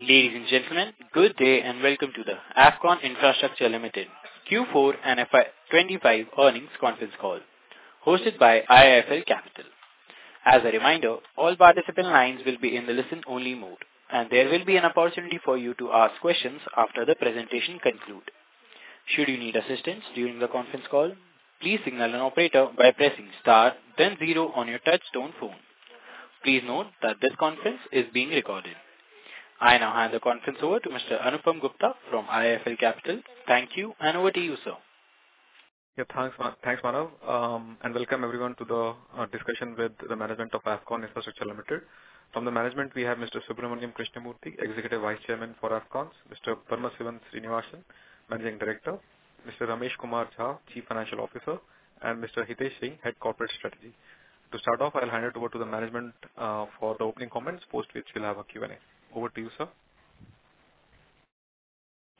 Ladies and gentlemen, good day and welcome to the Afcons Infrastructure Limited Q4 and FY25 earnings conference call, hosted by IIFL Capital. As a reminder, all participant lines will be in the listen-only mode, and there will be an opportunity for you to ask questions after the presentation concludes. Should you need assistance during the conference call, please signal an operator by pressing star, then zero on your touch-tone phone. Please note that this conference is being recorded. I now hand the conference over to Mr. Anupam Gupta from IIFL Capital. Thank you, and over to you, sir. Yeah, thanks, Maro. And welcome everyone to the discussion with the management of Afcons Infrastructure Limited. From the management, we have Mr. Subramanian Krishnamurthy, Executive Vice Chairman for Afcons; Mr. Paramasivan Srinivasan, Managing Director; Mr. Ramesh Kumar Jha, Chief Financial Officer; and Mr. Hitesh Singh, Head Corporate Strategy. To start off, I'll hand it over to the management for the opening comments, post which we'll have a Q&A. Over to you, sir.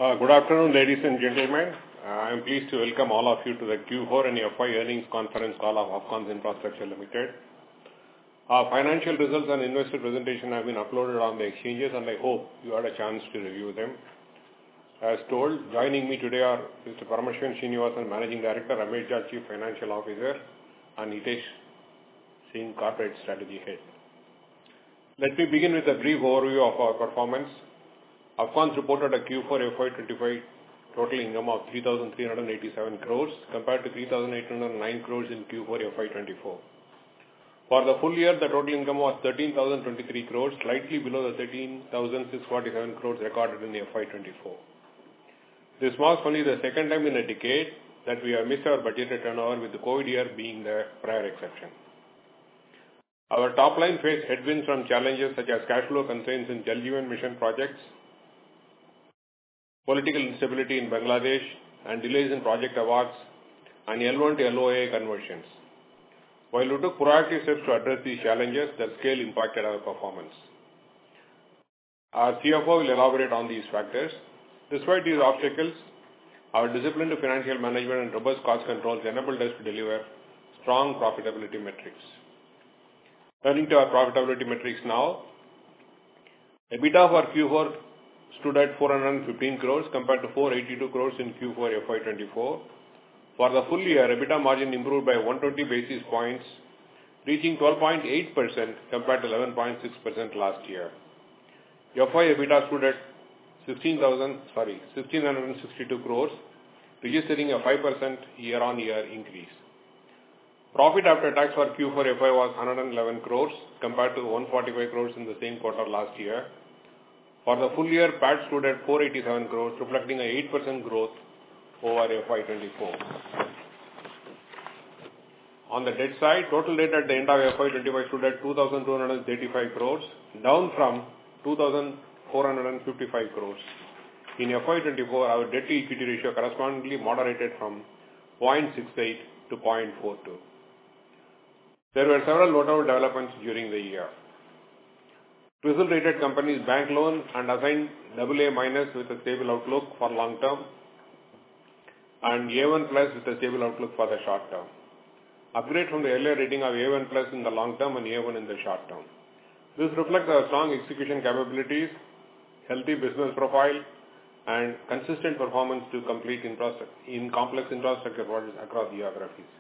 Good afternoon, ladies and gentlemen. I'm pleased to welcome all of you to the Q4 and FY earnings conference call of Afcons Infrastructure Limited. Our financial results and investor presentations have been uploaded on the exchanges, and I hope you had a chance to review them. As told, joining me today are Mr. Paramasivan Srinivasan, Managing Director; Ramesh Jha, Chief Financial Officer; and Hitesh Singh, Corporate Strategy Head. Let me begin with a brief overview of our performance. Afcons reported a Q4 FY2025 total income of 3,387 crores, compared to 3,809 crores in Q4 FY2024. For the full year, the total income was 13,023 crores, slightly below the 13,647 crore recorded in FY2024. This marks only the second time in a decade that we have missed our budget return over, with the COVID year being the prior exception. Our top-line face had been some challenges such as cash flow constraints in Jal Jeevan Mission projects, political instability in Bangladesh, and delays in project awards and L1 to LOA conversions. While we took proactive steps to address these challenges, the scale impacted our performance. Our CFO will elaborate on these factors. Despite these obstacles, our discipline to financial management and robust cost controls enabled us to deliver strong profitability metrics. Turning to our profitability metrics now, EBITDA for Q4 stood at 415 crores rupees, compared to 482 crores rupees in Q4 2024. For the full year, EBITDA margin improved by 120 basis points, reaching 12.8% compared to 11.6% last year. Full-year EBITDA stood at 1,662 crores, registering a 5% year-on-year increase. Profit after tax for Q4 2024 was 111 crores, compared to 145 crores in the same quarter last year.vFor the full year, PAT stood at 487 crores, reflecting an 8% growth over FY 2024. On the debt side, total debt at the end of FY 2025 stood at 2,235 crores, down from 2,455 crores. In FY 2024, our debt-to-equity ratio correspondingly moderated from 0.68 to 0.42. There were several notable developments during the year. Crisil rated companies' bank loans and assigned AA- with a stable outlook for long-term and A1+ with a stable outlook for the short-term. Upgrade from the earlier rating of A1- in the long-term and A1- in the short-term. This reflects our strong execution capabilities, healthy business profile, and consistent performance to complete complex infrastructure projects across geographies.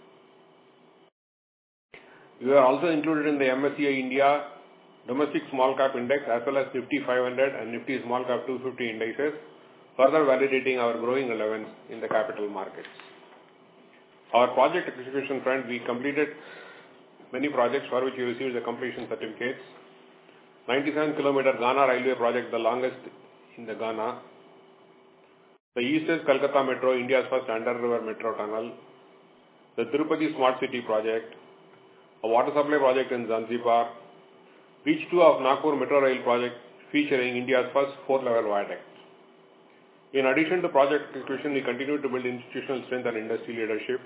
We were also included in the MSCI India Domestic Small Cap Index, as well as Nifty 500 and Nifty Small Cap 250 indices, further validating our growing relevance in the capital markets.our project execution front, we completed many projects for which we received the completion certificates: 97 km Ghana Railway project, the longest in Ghana, the East Coast Kolkata Metro, India's first under-river metro tunnel, the Tirupati Smart City project, a water supply project in Zanzibar, and the Bridge-2 of Nagpur Metro Rail project, featuring India's first four-level viaduct. In addition to project execution, we continued to build institutional strength and industry leadership.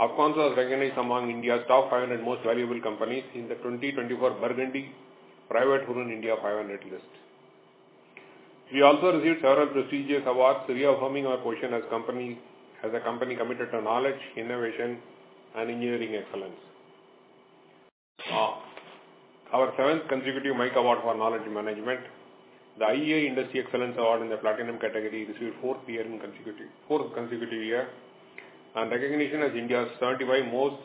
Afcons was recognized among India's top 500 most valuable companies in the 2024 Burgundy Private Hurun India 500 list. We also received several prestigious awards, reaffirming our position as a company committed to knowledge, innovation, and engineering excellence. Our seventh consecutive MIKE Award for Knowledge Management, the IEA Industry Excellence Award in the Platinum category, received for the fourth consecutive year, and recognition as one of India's 75 most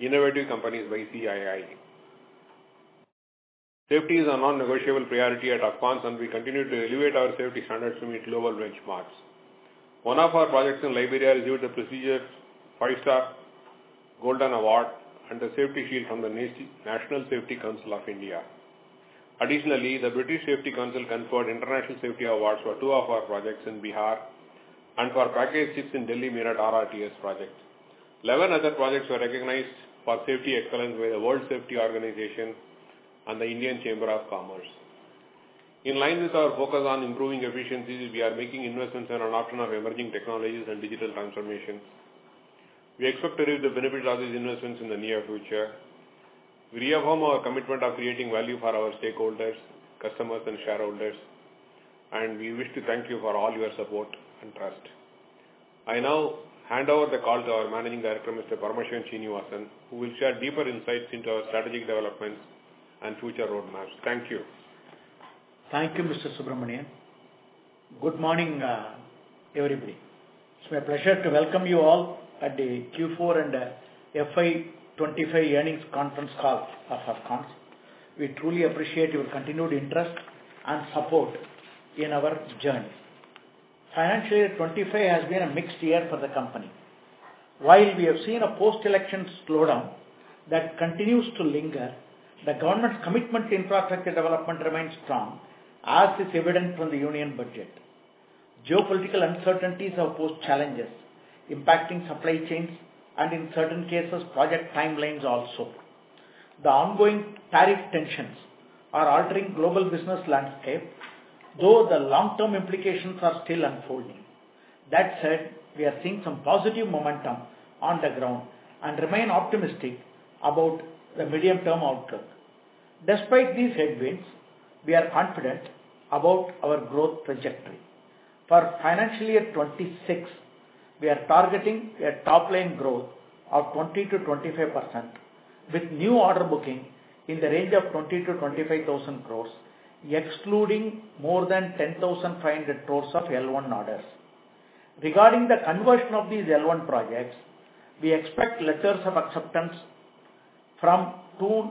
innovative companies by CII.Safety is a non-negotiable priority at Afcons, and we continue to elevate our safety standards to meet global benchmarks. One of our projects in Liberia received the prestigious Five Star Golden Award and the Safety Shield from the National Safety Council of India. Additionally, the British Safety Council conferred international safety awards for two of our projects in Bihar and for package chips in Delhi Meerut RRTS project. Eleven other projects were recognized for safety excellence by the World Safety Organization and the Indian Chamber of Commerce. In line with our focus on improving efficiencies, we are making investments in an option of emerging technologies and digital transformation. We expect to reap the benefits of these investments in the near future. We reaffirm our commitment of creating value for our stakeholders, customers, and shareholders, and we wish to thank you for all your support and trust.I now hand over the call to our Managing Director, Mr. Paramasivan Srinivasan, who will share deeper insights into our strategic developments and future roadmaps. Thank you. Thank you, Mr. Subramanian. Good morning, everybody. It's my pleasure to welcome you all at the Q4 and FY2025 earnings conference call of Afcons. We truly appreciate your continued interest and support in our journey. Financially, 2025 has been a mixed year for the company. While we have seen a post-election slowdown that continues to linger, the government's commitment to infrastructure development remains strong, as is evident from the union budget. Geopolitical uncertainties have posed challenges impacting supply chains and, in certain cases, project timelines also. The ongoing tariff tensions are altering the global business landscape, though the long-term implications are still unfolding. That said, we are seeing some positive momentum on the ground and remain optimistic about the medium-term outlook. Despite these headwinds, we are confident about our growth trajectory. For financially, at 2026, we are targeting a top-line growth of 20%-25%, with new order booking in the range of 20,000-25,000 crores, excluding more than 10,500 crores of L1 orders. Regarding the conversion of these L1 projects, we expect letters of acceptance from two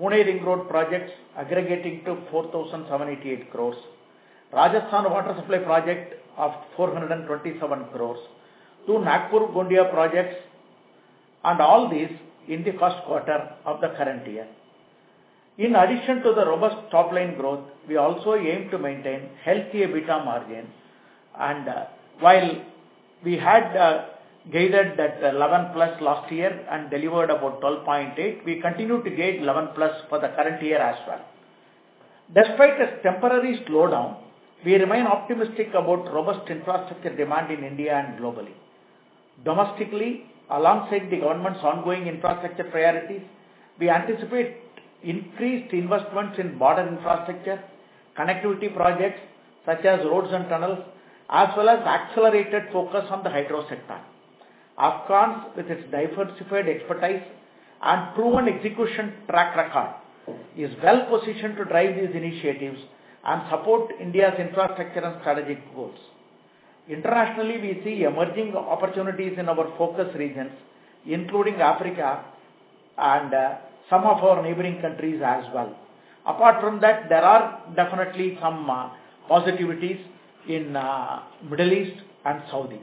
Pune Ring Road projects aggregating to 4,788 crores, Rajasthan Water Supply Project of 427 crores, two Nagpur-Gondia projects, and all these in the first quarter of the current year. In addition to the robust top-line growth, we also aim to maintain a healthy EBITDA margin. While we had gated at 11% last year and delivered about 12.8%, we continue to gate 11% for the current year as well. Despite a temporary slowdown, we remain optimistic about robust infrastructure demand in India and globally. Domestically, alongside the government's ongoing infrastructure priorities, we anticipate increased investments in modern infrastructure, connectivity projects such as roads and tunnels, as well as accelerated focus on the hydro sector. Afcons, with its diversified expertise and proven execution track record, is well-positioned to drive these initiatives and support India's infrastructure and strategic goals. Internationally, we see emerging opportunities in our focus regions, including Africa and some of our neighboring countries as well. Apart from that, there are definitely some positivities in the Middle East and Saudi.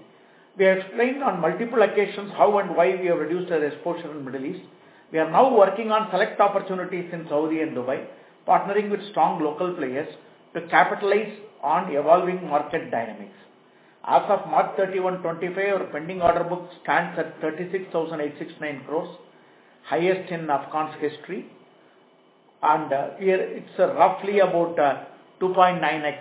We have explained on multiple occasions how and why we have reduced our exposure in the Middle East. We are now working on select opportunities in Saudi and Dubai, partnering with strong local players to capitalize on evolving market dynamics. As of March 31, 2025, our pending order book stands at 36,869 crore, highest in Afcons history. It is roughly about 2.9x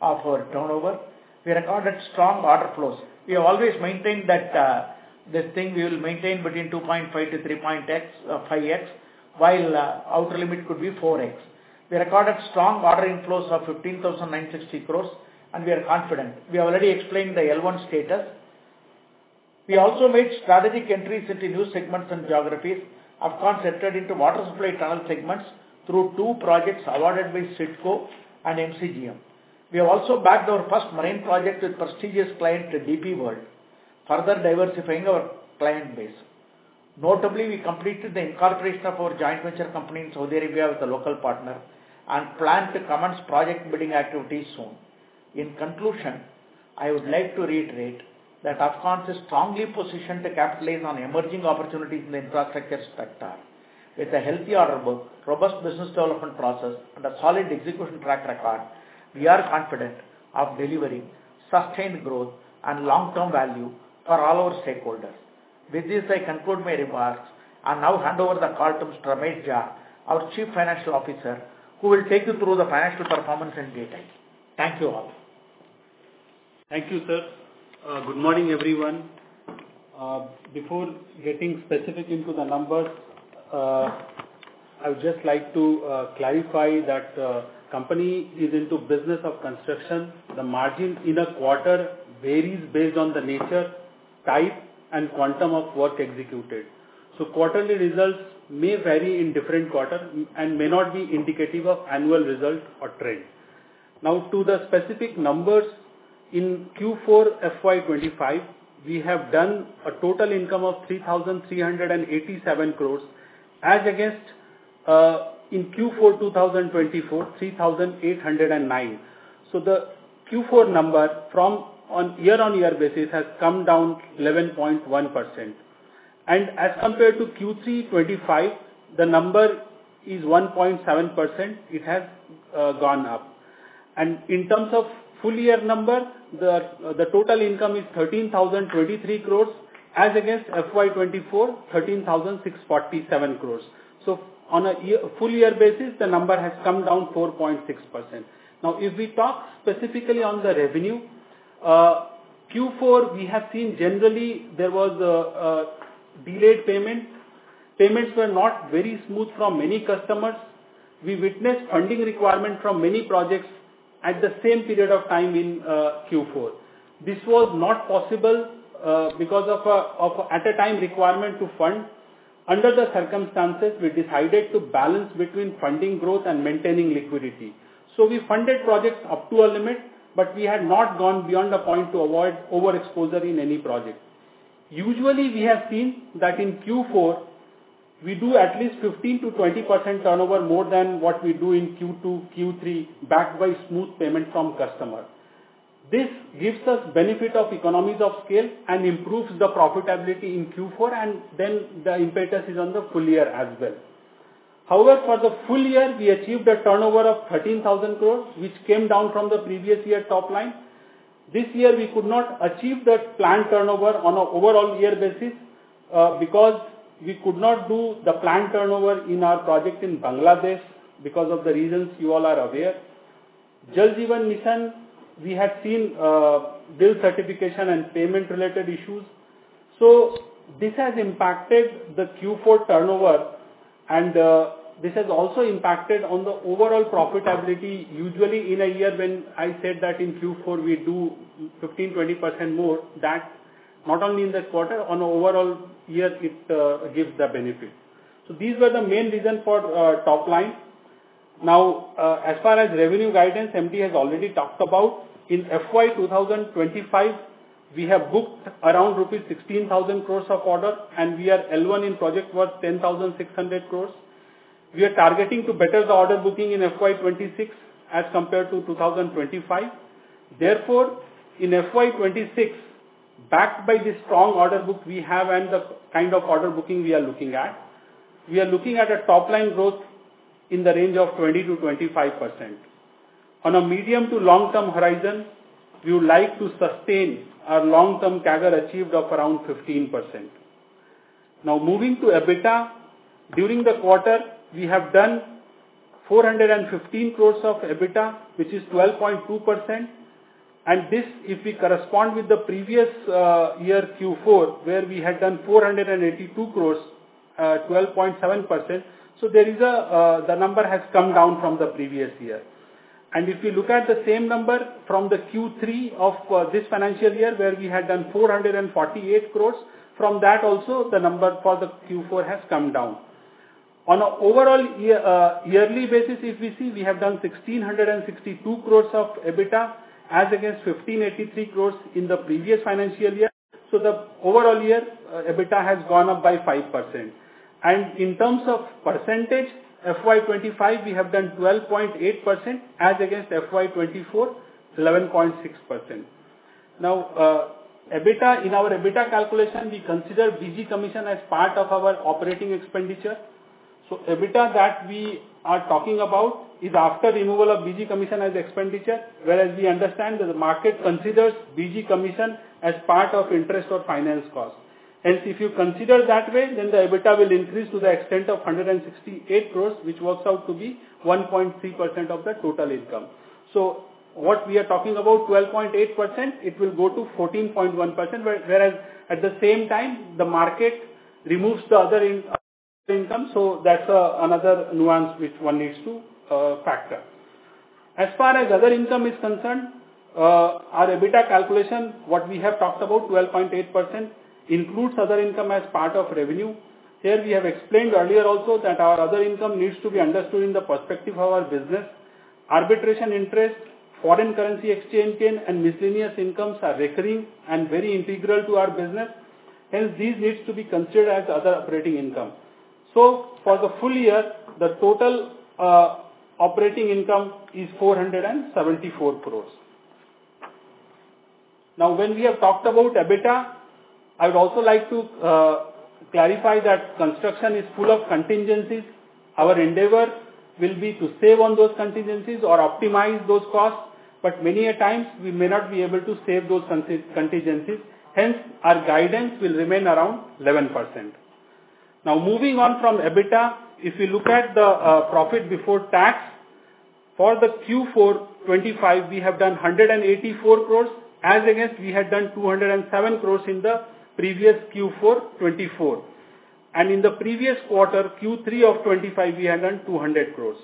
of our turnover. We recorded strong order flows. We have always maintained that this thing we will maintain between 2.5x-3.5x, while the outer limit could be 4x. We recorded strong ordering flows of 15,960 crore, and we are confident. We have already explained the L1 status. We also made strategic entries into new segments and geographies. Afcons entered into Water supply tunnel segments through two projects awarded by SITCO and MCGM. We have also backed our first marine project with a prestigious client, DP World, further diversifying our client base. Notably, we completed the incorporation of our joint venture company in Saudi Arabia with a local partner and plan to commence project bidding activities soon. In conclusion, I would like to reiterate that Afcons is strongly positioned to capitalize on emerging opportunities in the infrastructure sector. With a healthy order book, robust business development process, and a solid execution track record, we are confident of delivering sustained growth and long-term value for all our stakeholders. With this, I conclude my remarks and now hand over the call to Mr. Ramesh K Jha, our Chief Financial Officer, who will take you through the financial performance and data. Thank you all. Thank you, sir. Good morning, everyone. Before getting specific into the numbers, I would just like to clarify that the company is into the business of construction. The margin in a quarter varies based on the nature, type, and quantum of work executed. Quarterly results may vary in different quarters and may not be indicative of annual results or trends. Now, to the specific numbers, in Q4 FY 2025, we have done a total income of 3,387 crores, as against in Q4 2024, 3,809 crores. The Q4 number, from year-on-year basis, has come down 11.1%. As compared to Q3 2025, the number is 1.7%. It has gone up. In terms of full-year number, the total income is 13,023 crore, as against FY2024, 13,647 crores. On a full-year basis, the number has come down 4.6%. Now, if we talk specifically on the revenue, Q4, we have seen generally there was a delayed payment. Payments were not very smooth from many customers. We witnessed funding requirement from many projects at the same period of time in Q4. This was not possible because of, at the time, requirement to fund. Under the circumstances, we decided to balance between funding growth and maintaining liquidity. We funded projects up to a limit, but we had not gone beyond a point to avoid overexposure in any project. Usually, we have seen that in Q4, we do at least 15%-20% turnover more than what we do in Q2, Q3, backed by smooth payment from customers. This gives us the benefit of economies of scale and improves the profitability in Q4, and then the impetus is on the full year as well. However, for the full year, we achieved a turnover of 13,000 crores, which came down from the previous year top line. This year, we could not achieve the planned turnover on an overall year basis because we could not do the planned turnover in our project in Bangladesh because of the reasons you all are aware. Jal Jeevan Mission, we had seen bill certification and payment-related issues. This has impacted the Q4 turnover, and this has also impacted on the overall profitability. Usually, in a year, when I said that in Q4, we do 15%-20% more, that not only in the quarter, on an overall year, it gives the benefit. So these were the main reasons for top line. Now, as far as revenue guidance, MT has already talked about. In FY 2025, we have booked around rupees 16,000 crores of order, and we are L1 in project worth 10,600 crores. We are targeting to better the order booking in FY 2026 as compared to 2025. Therefore, in FY 2026, backed by the strong order book we have and the kind of order booking we are looking at, we are looking at a top-line growth in the range of 20%-25%. On a medium to long-term horizon, we would like to sustain our long-term CAGR achieved of around 15%.Now, moving to EBITDA, during the quarter, we have done 415 crores of EBITDA, which is 12.2%. If we correspond with the previous year, Q4, where we had done 482 crores, 12.7%. The number has come down from the previous year. If we look at the same number from the Q3 of this financial year, where we had done 448 crores, from that also, the number for the Q4 has come down. On an overall yearly basis, if we see, we have done 1,662 crores of EBITDA, as against 1,583 crores in the previous financial year. The overall year, EBITDA has gone up by 5%. In terms of percentage, FY25, we have done 12.8%, as against FY24, 11.6%. In our EBITDA calculation, we consider BG Commission as part of our operating expenditure. EBITDA that we are talking about is after removal of BG Commission as expenditure, whereas we understand that the market considers BG Commission as part of interest or finance costs. Hence, if you consider that way, then the EBITDA will increase to the extent of 168 crores, which works out to be 1.3% of the total income. What we are talking about, 12.8%, it will go to 14.1%, whereas at the same time, the market removes the other income. That is another nuance which one needs to factor. As far as other income is concerned, our EBITDA calculation, what we have talked about, 12.8%, includes other income as part of revenue. Here, we have explained earlier also that our other income needs to be understood in the perspective of our business. Arbitration interest, foreign currency exchange gain, and miscellaneous incomes are recurring and very integral to our business. Hence, these need to be considered as other operating income. For the full year, the total operating income is 474 crores. Now, when we have talked about EBITDA, I would also like to clarify that construction is full of contingencies. Our endeavor will be to save on those contingencies or optimize those costs. Many a times, we may not be able to save those contingencies. Hence, our guidance will remain around 11%. Moving on from EBITDA, if we look at the profit before tax, for Q4 2025, we have done 184 crores, as against we had done 207 croress in the previous Q4 2024. In the previous quarter, Q3 of 2025, we had done 200 crore.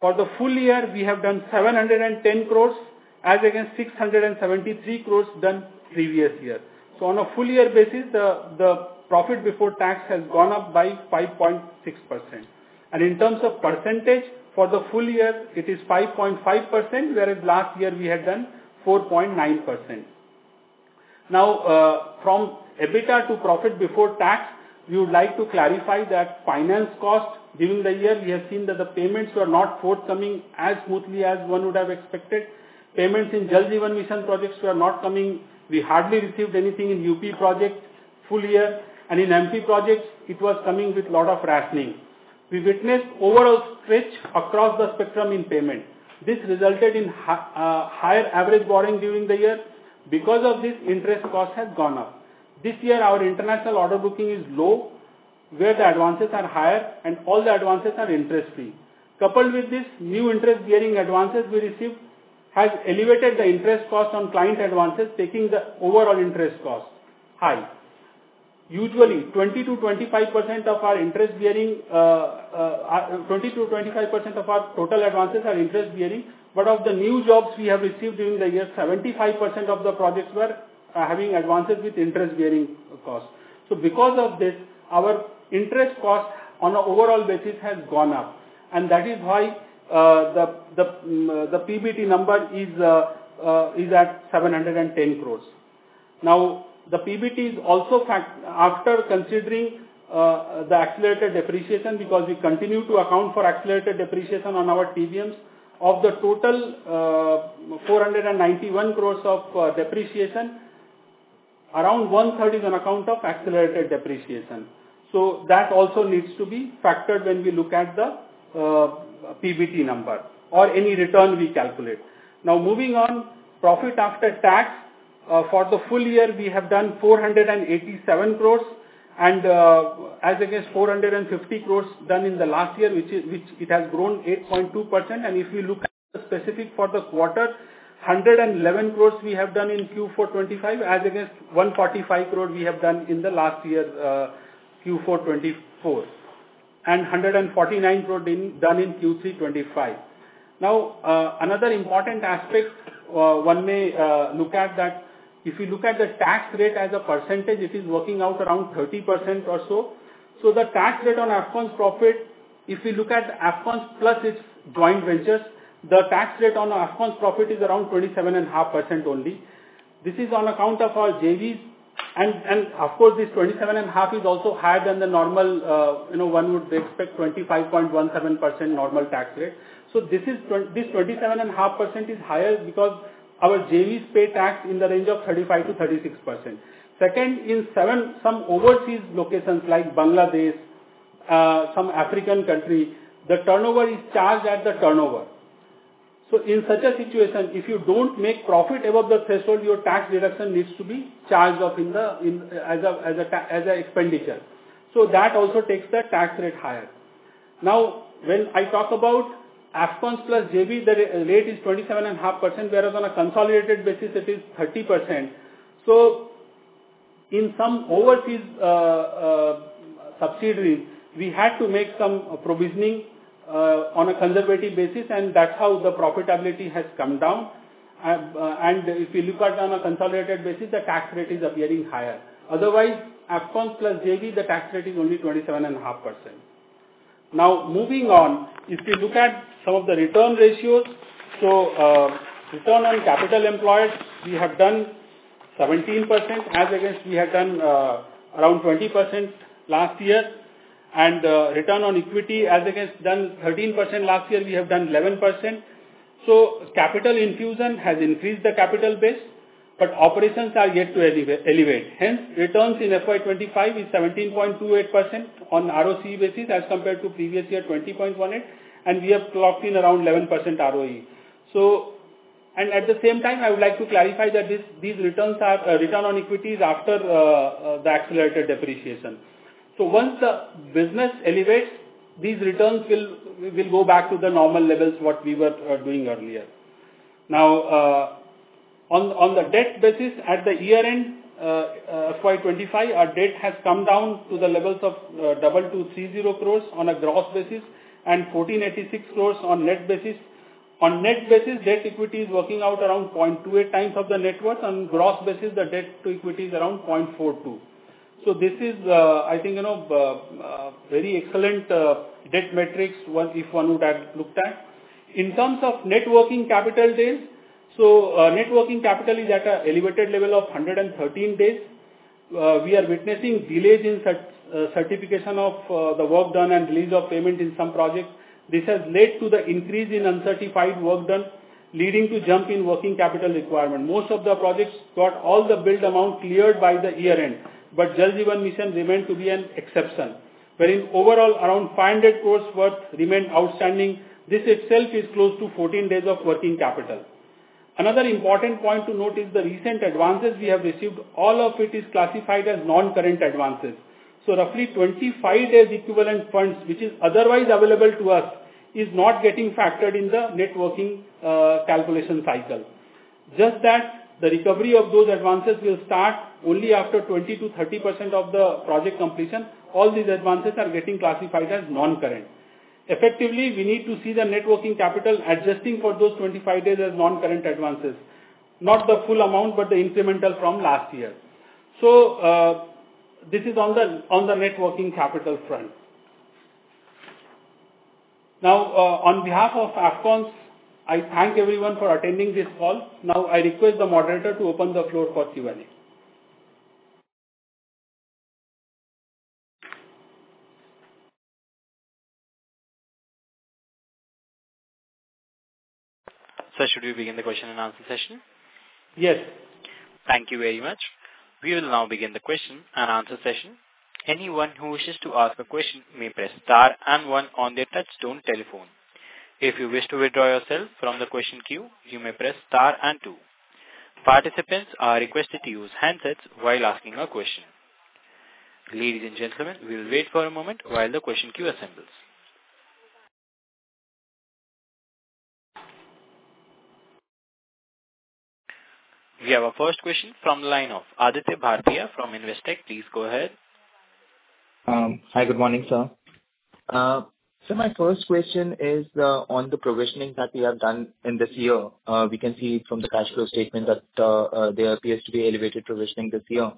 For the full year, we have done 710 crores, as against 673 crores done previous year. On a full-year basis, the profit before tax has gone up by 5.6%. In terms of percentage, for the full year, it is 5.5%, whereas last year we had done 4.9%. Now, from EBITDA to profit before tax, we would like to clarify that finance cost during the year, we have seen that the payments were not forthcoming as smoothly as one would have expected. Payments in Jal Jeevan Mission projects were not coming. We hardly received anything in UP project full year. In MP projects, it was coming with a lot of rationing. We witnessed overall stretch across the spectrum in payment. This resulted in higher average borrowing during the year. Because of this, interest costs have gone up. This year, our international order booking is low, where the advances are higher, and all the advances are interest-free. Coupled with this, new interest-bearing advances we received have elevated the interest cost on client advances, taking the overall interest cost high. Usually, 20%-25% of our interest-bearing, 20%-25% of our total advances are interest-bearing. Of the new jobs we have received during the year, 75% of the projects were having advances with interest-bearing costs. Because of this, our interest cost on an overall basis has gone up. That is why the PBT number is at 710 crores. Now, the PBT is also factored after considering the accelerated depreciation because we continue to account for accelerated depreciation on our TBMs. Of the total 491 crores of depreciation, around 130 crores is on account of accelerated depreciation. That also needs to be factored when we look at the PBT number or any return we calculate. Now, moving on, profit after tax, for the full year, we have done 487 crores, and as against 450 crores done in the last year, which it has grown 8.2%. If we look at the specific for the quarter, 111 crores we have done in Q4 2025, as against 145 crores we have done in the last year, Q4 2024, and 149 crores done in Q3 2025. Another important aspect one may look at, if we look at the tax rate as a percentage, it is working out around 30% or so. The tax rate on Afcons profit, if we look at Afcons plus its joint ventures, the tax rate on Afcons profit is around 27.5% only. This is on account of our JVs. This 27.5% is also higher than the normal one would expect, 25.17% normal tax rate. This 27.5% is higher because our JVs pay tax in the range of 35%-36%. Second, in some overseas locations like Bangladesh, some African country, the turnover is charged at the turnover. In such a situation, if you do not make profit above the threshold, your tax deduction needs to be charged off as an expenditure. That also takes the tax rate higher. Now, when I talk about Afcons plus JV, the rate is 27.5%, whereas on a consolidated basis, it is 30%. In some overseas subsidiaries, we had to make some provisioning on a conservative basis, and that is how the profitability has come down. If we look at it on a consolidated basis, the tax rate is appearing higher. Otherwise, Afcons plus JV, the tax rate is only 27.5%.Now, moving on, if we look at some of the return ratios, return on capital employed, we have done 17%, as against we had done around 20% last year. Return on equity, as against done 13% last year, we have done 11%. Capital infusion has increased the capital base, but operations are yet to elevate. Hence, returns in FY2025 is 17.28% on ROCE basis as compared to previous year 20.18%. We have clocked in around 11% ROE. At the same time, I would like to clarify that these returns are return on equities after the accelerated depreciation. Once the business elevates, these returns will go back to the normal levels, what we were doing earlier. Now, on the debt basis, at the year end, FY 2025, our debt has come down to the levels of 2,230 crores on a gross basis and 1,486 crores on net basis. On net basis, debt equity is working out around 0.28 times of the net worth. On gross basis, the debt to equity is around 0.42. This is, I think, very excellent debt metrics if one would have looked at. In terms of networking capital days, networking capital is at an elevated level of 113 days. We are witnessing delays in certification of the work done and release of payment in some projects. This has led to the increase in uncertified work done, leading to a jump in working capital requirement. Most of the projects got all the billed amount cleared by the year end. Jal Jeevan Mission remained to be an exception, wherein overall around 500 crore worth remained outstanding. This itself is close to 14 days of working capital. Another important point to note is the recent advances we have received. All of it is classified as non-current advances. So roughly 25 days equivalent funds, which is otherwise available to us, is not getting factored in the networking calculation cycle. Just that the recovery of those advances will start only after 20%-30% of the project completion. All these advances are getting classified as non-current. Effectively, we need to see the networking capital adjusting for those 25 days as non-current advances, not the full amount, but the incremental from last year. This is on the networking capital front. On behalf of Afcons, I thank everyone for attending this call. I request the moderator to open the floor for Q&A. Sir, should we begin the question and answer session? Yes. Thank you very much. We will now begin the question and answer session. Anyone who wishes to ask a question may press star and one on their touchstone telephone. If you wish to withdraw yourself from the question queue, you may press star and two. Participants are requested to use handsets while asking a question. Ladies and gentlemen, we will wait for a moment while the question queue assembles. We have a first question from the line of Aditya Bhartia from Investec. Please go ahead. Hi, good morning, sir. Sir, my first question is on the provisioning that we have done in this year. We can see from the cash flow statement that there appears to be elevated provisioning this year.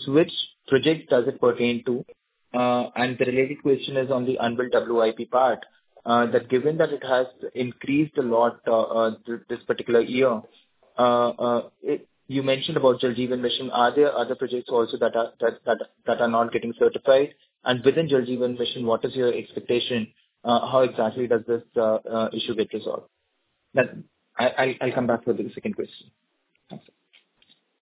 So which project does it pertain to? The related question is on the unbilled WIP part, that given that it has increased a lot this particular year, you mentioned about Jal Jeevan Mission. Are there other projects also that are not getting certified? And within Jal Jeevan Mission, what is your expectation? How exactly does this issue get resolved? I'll come back to the second question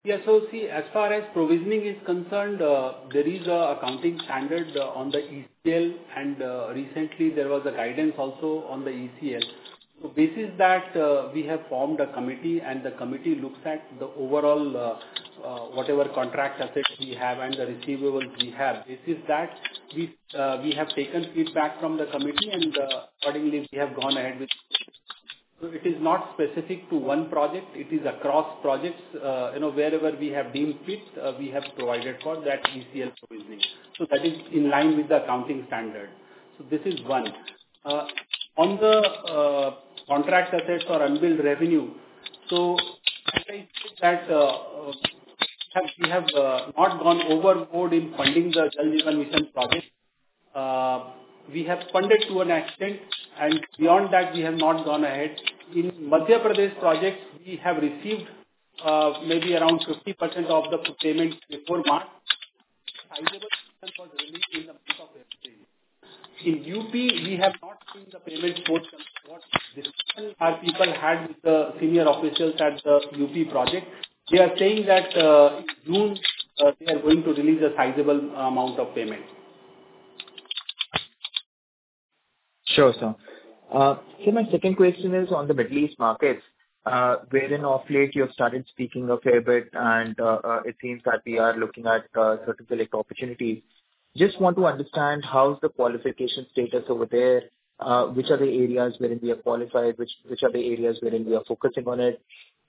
Yeah. See, as far as provisioning is concerned, there is an accounting standard on the ECL, and recently, there was a guidance also on the ECL. Basis that, we have formed a committee, and the committee looks at the overall whatever contract assets we have and the receivables we have. Basis that, we have taken feedback from the committee, and accordingly, we have gone ahead with the question. It is not specific to one project. It is across projects. Wherever we have deemed fit, we have provided for that ECL provisioning. That is in line with the accounting standard. This is one. On the contract assets or unbilled revenue, as I said, we have not gone overboard in funding the Jal Jeevan Mission project. We have funded to an extent, and beyond that, we have not gone ahead. In Madhya Pradesh projects, we have received maybe around 50% of the payment before March. The available provision was released in the month of April. In UP, we have not seen the payment for what discussion our people had with the senior officials at the UP project. They are saying that in June, they are going to release a sizable amount of payment. Sure, sir. Sir, my second question is on the Middle East markets, wherein of late you have started speaking a fair bit, and it seems that we are looking at certain opportunities. Just want to understand how's the qualification status over there. Which are the areas wherein we are qualified? Which are the areas wherein we are focusing on it?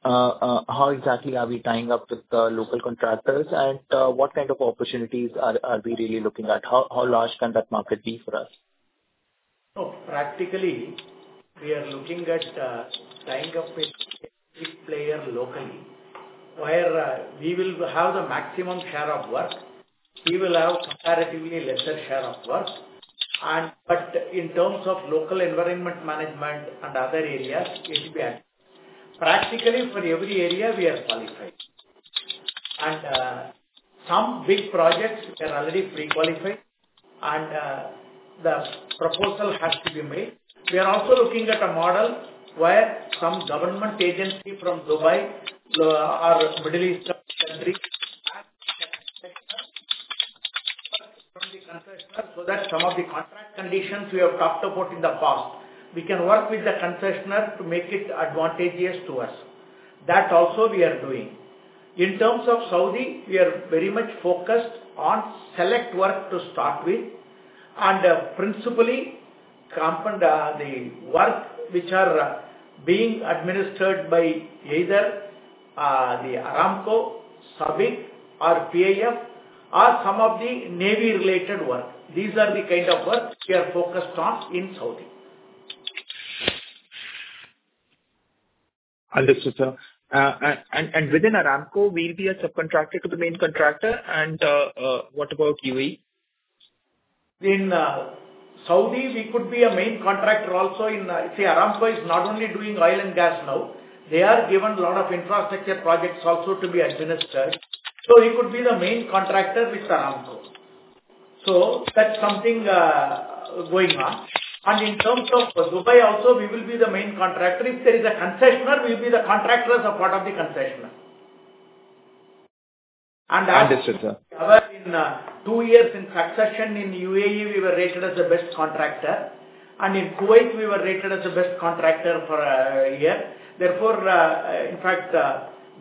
How exactly are we tying up with the local contractors, and what kind of opportunities are we really looking at? How large can that market be for us? Practically, we are looking at tying up with a big player locally, where we will have the maximum share of work. We will have comparatively lesser share of work. In terms of local environment management and other areas, it will be at practically for every area, we are qualified. Some big projects are already pre-qualified, and the proposal has to be made. We are also looking at a model where some government agency from Dubai or Middle Eastern countries can access us from the concessioners so that some of the contract conditions we have talked about in the past, we can work with the concessioners to make it advantageous to us. That also we are doing. In terms of Saudi, we are very much focused on select work to start with. Principally, the work which are being administered by either Aramco, SABIC, or PIF, or some of the Navy-related work. These are the kind of work we are focused on in Saudi. Understood, sir. Within Aramco, we'll be a subcontractor to the main contractor. What about UAE? In Saudi, we could be a main contractor also in, let's say, Aramco is not only doing oil and gas now. They are given a lot of infrastructure projects also to be administered. We could be the main contractor with Aramco. That's something going on. In terms of Dubai also, we will be the main contractor. If there is a concessioner, we'll be the contractor as a part of the concessioner. As we have been two years in succession in UAE, we were rated as the best contractor. In Kuwait, we were rated as the best contractor for a year. Therefore, in fact,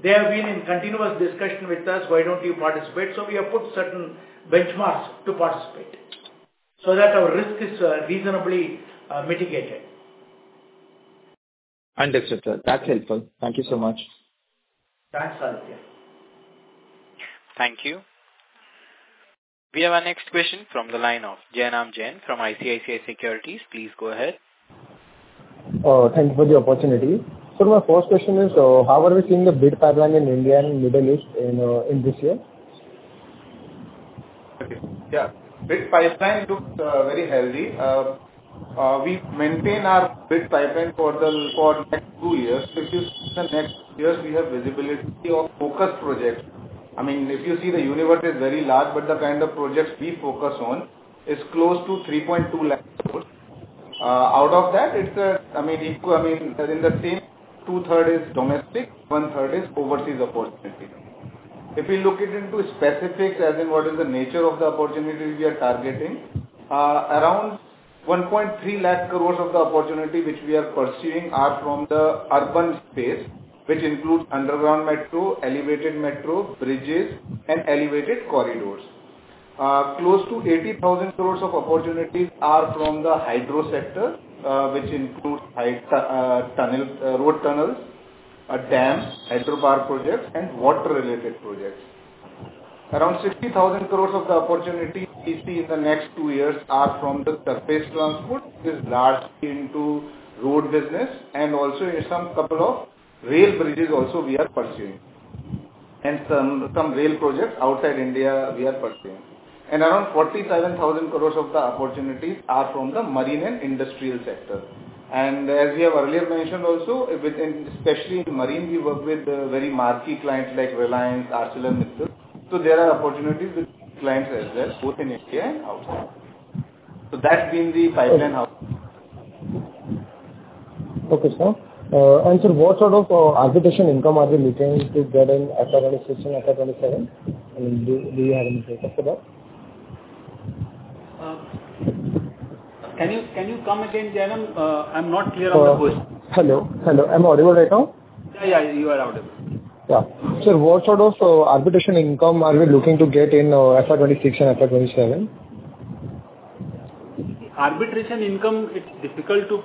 they have been in continuous discussion with us, "Why don't you participate?" We have put certain benchmarks to participate so that our risk is reasonably mitigated. Understood, sir. That's helpful. Thank you so much. Thanks, Aditya. Thank you. We have our next question from the line of Jainam Jain from ICICI Securities. Please go ahead. Thank you for the opportunity. Sir, my first question is, how are we seeing the bid pipeline in India and Middle East in this year? Okay. Yeah. Bid pipeline looks very healthy. We maintain our bid pipeline for the next two years. If you see the next years, we have visibility of focus projects. I mean, if you see the universe is very large, but the kind of projects we focus on is close to 320 crores. Out of that, I mean, in the same, two-thirds is domestic, one-third is overseas opportunity. If you look it into specifics, as in what is the nature of the opportunity we are targeting, around 1.3 lakh crore of the opportunity which we are pursuing are from the urban space, which includes underground metro, elevated metro, bridges, and elevated corridors. Close to 80,000 crores of opportunities are from the Hydro sector, which includes road tunnels, dams, hydropower projects, and water-related projects. Around 60,000 crores of the opportunity we see in the next two years are from the surface transport, which is largely into road business, and also in some couple of rail bridges also we are pursuing. Some rail projects outside India, we are pursuing. Around 47,000 crores of the opportunities are from the marine and industrial sector. As we have earlier mentioned also, especially in marine, we work with very marquee clients like Reliance, ArcelorMittal.There are opportunities with clients as well, both in India and outside. That's been the pipeline out. Okay, sir. Sir, what sort of arbitration income are you looking to get in FY 2026 and FY 2027? I mean, do you have any data for that? Can you come again, Jainam? I'm not clear on the question. Hello. Hello. Am I audible right now? Yeah, yeah. You are audible. Yeah. Sir, what sort of arbitration income are we looking to get in FY 2026 and FY 2027? Arbitration income, it's difficult to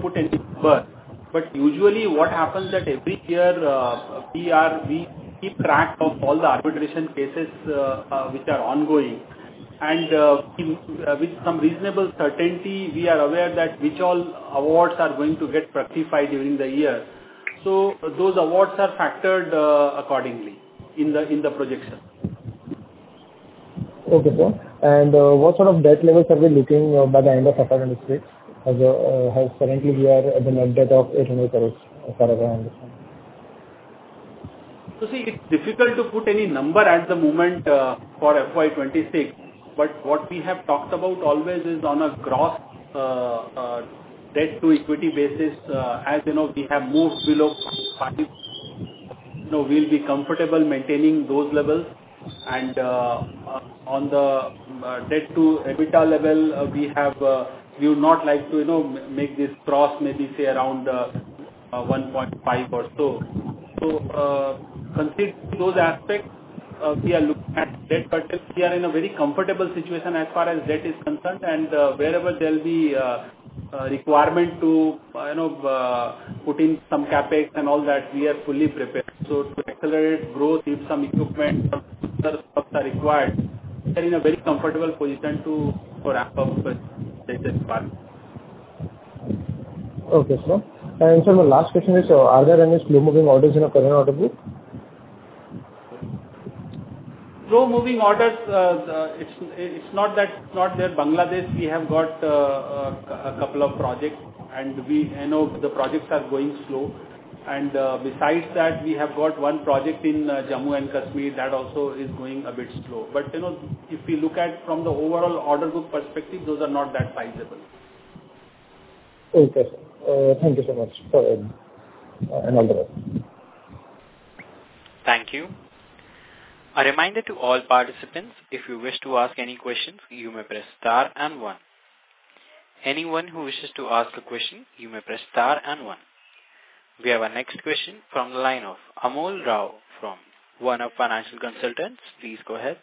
put any number. Usually, what happens is that every year, we keep track of all the arbitration cases which are ongoing. With some reasonable certainty, we are aware which awards are going to get rectified during the year. Those awards are factored accordingly in the projection. Okay, sir. What sort of debt levels are we looking at by the end of FY 2026? Currently, we are at a net debt of 800 crores, as far as I understand. See, it's difficult to put any number at the moment for FY 2026. What we have talked about always is on a gross debt to equity basis. As we have moved below five, we'll be comfortable maintaining those levels. On the debt to EBITDA level, we would not like to make this cross, maybe say around 1.5 or so. Considering those aspects, we are looking at debt curtailment. We are in a very comfortable situation as far as debt is concerned. Wherever there will be a requirement to put in some CapEx and all that, we are fully prepared. To accelerate growth, if some equipment or other stuff are required, we are in a very comfortable position for appropriate debt requirements. Okay, sir. My last question is, are there any slow-moving orders in the current order book? Slow-moving orders, it's not that. Not there. Bangladesh, we have got a couple of projects. The projects are going slow. Besides that, we have got one project in Jammu and Kashmir that also is going a bit slow. If you look at it from the overall order book perspective, those are not that sizable. Okay, sir. Thank you so much for your help. Thank you. A reminder to all participants, if you wish to ask any questions, you may press star and one. Anyone who wishes to ask a question, you may press star and one. We have our next question from the line of Amol Rao from One Up Financial Consultants. Please go ahead.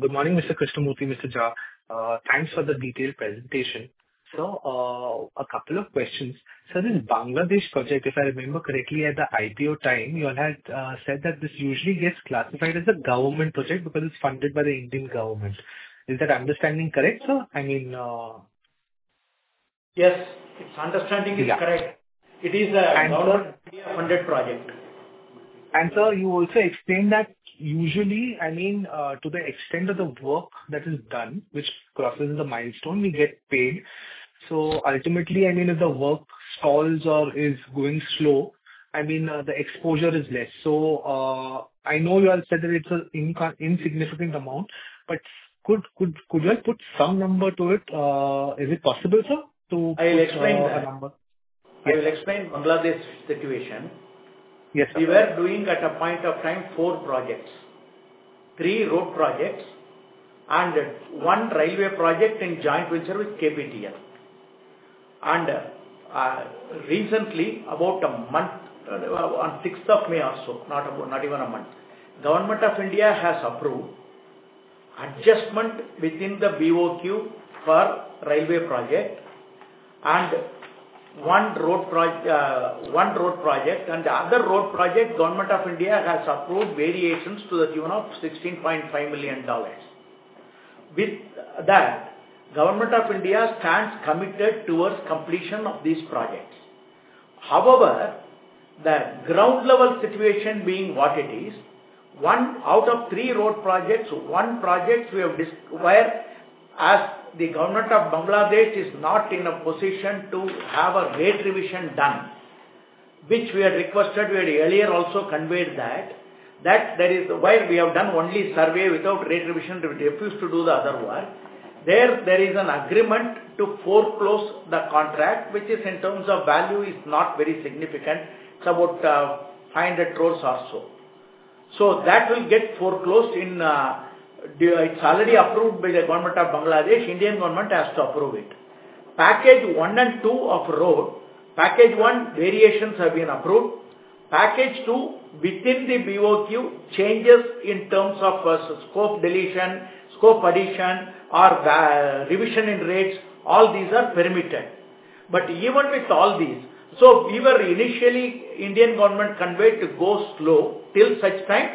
Good morning, Mr. Krishnamurthy, Mr. Jha. Thanks for the detailed presentation. Sir, a couple of questions. Sir, this Bangladesh project, if I remember correctly at the IPO time, you had said that this usually gets classified as a government project because it's funded by the Indian government. Is that understanding correct, sir? I mean? Yes. Its understanding is correct. It is a government funded project. And sir, you also explained that usually, I mean, to the extent of the work that is done, which crosses the milestone, we get paid. Ultimately, I mean, if the work stalls or is going slow, I mean, the exposure is less. I know you have said that it's an insignificant amount, but could you put some number to it? Is it possible, sir, to put a number? I will explain Bangladesh situation. We were doing at a point of time four projects, three road projects, and one railway project in joint venture with KPTL. Recently, about a month, on 6th of May or so, not even a month, Government of India has approved adjustment within the BOQ for railway project and one road project. The other road project, Government of India has approved variations to the tune of $16.5 million. With that, Government of India stands committed towards completion of these projects. However, the ground-level situation being what it is, out of three road projects, one project we have where the Government of Bangladesh is not in a position to have a rate revision done, which we had requested. We had earlier also conveyed that. That is where we have done only survey without rate revision. We refused to do the other work. There is an agreement to foreclose the contract, which in terms of value is not very significant. It is about 5 crores or so. That will get foreclosed. It is already approved by the Government of Bangladesh. Indian government has to approve it. Package one and two of road, package one variations have been approved. Package two, within the BOQ, changes in terms of scope deletion, scope addition, or revision in rates, all these are permitted. Even with all these, we were initially, Indian government conveyed to go slow till such time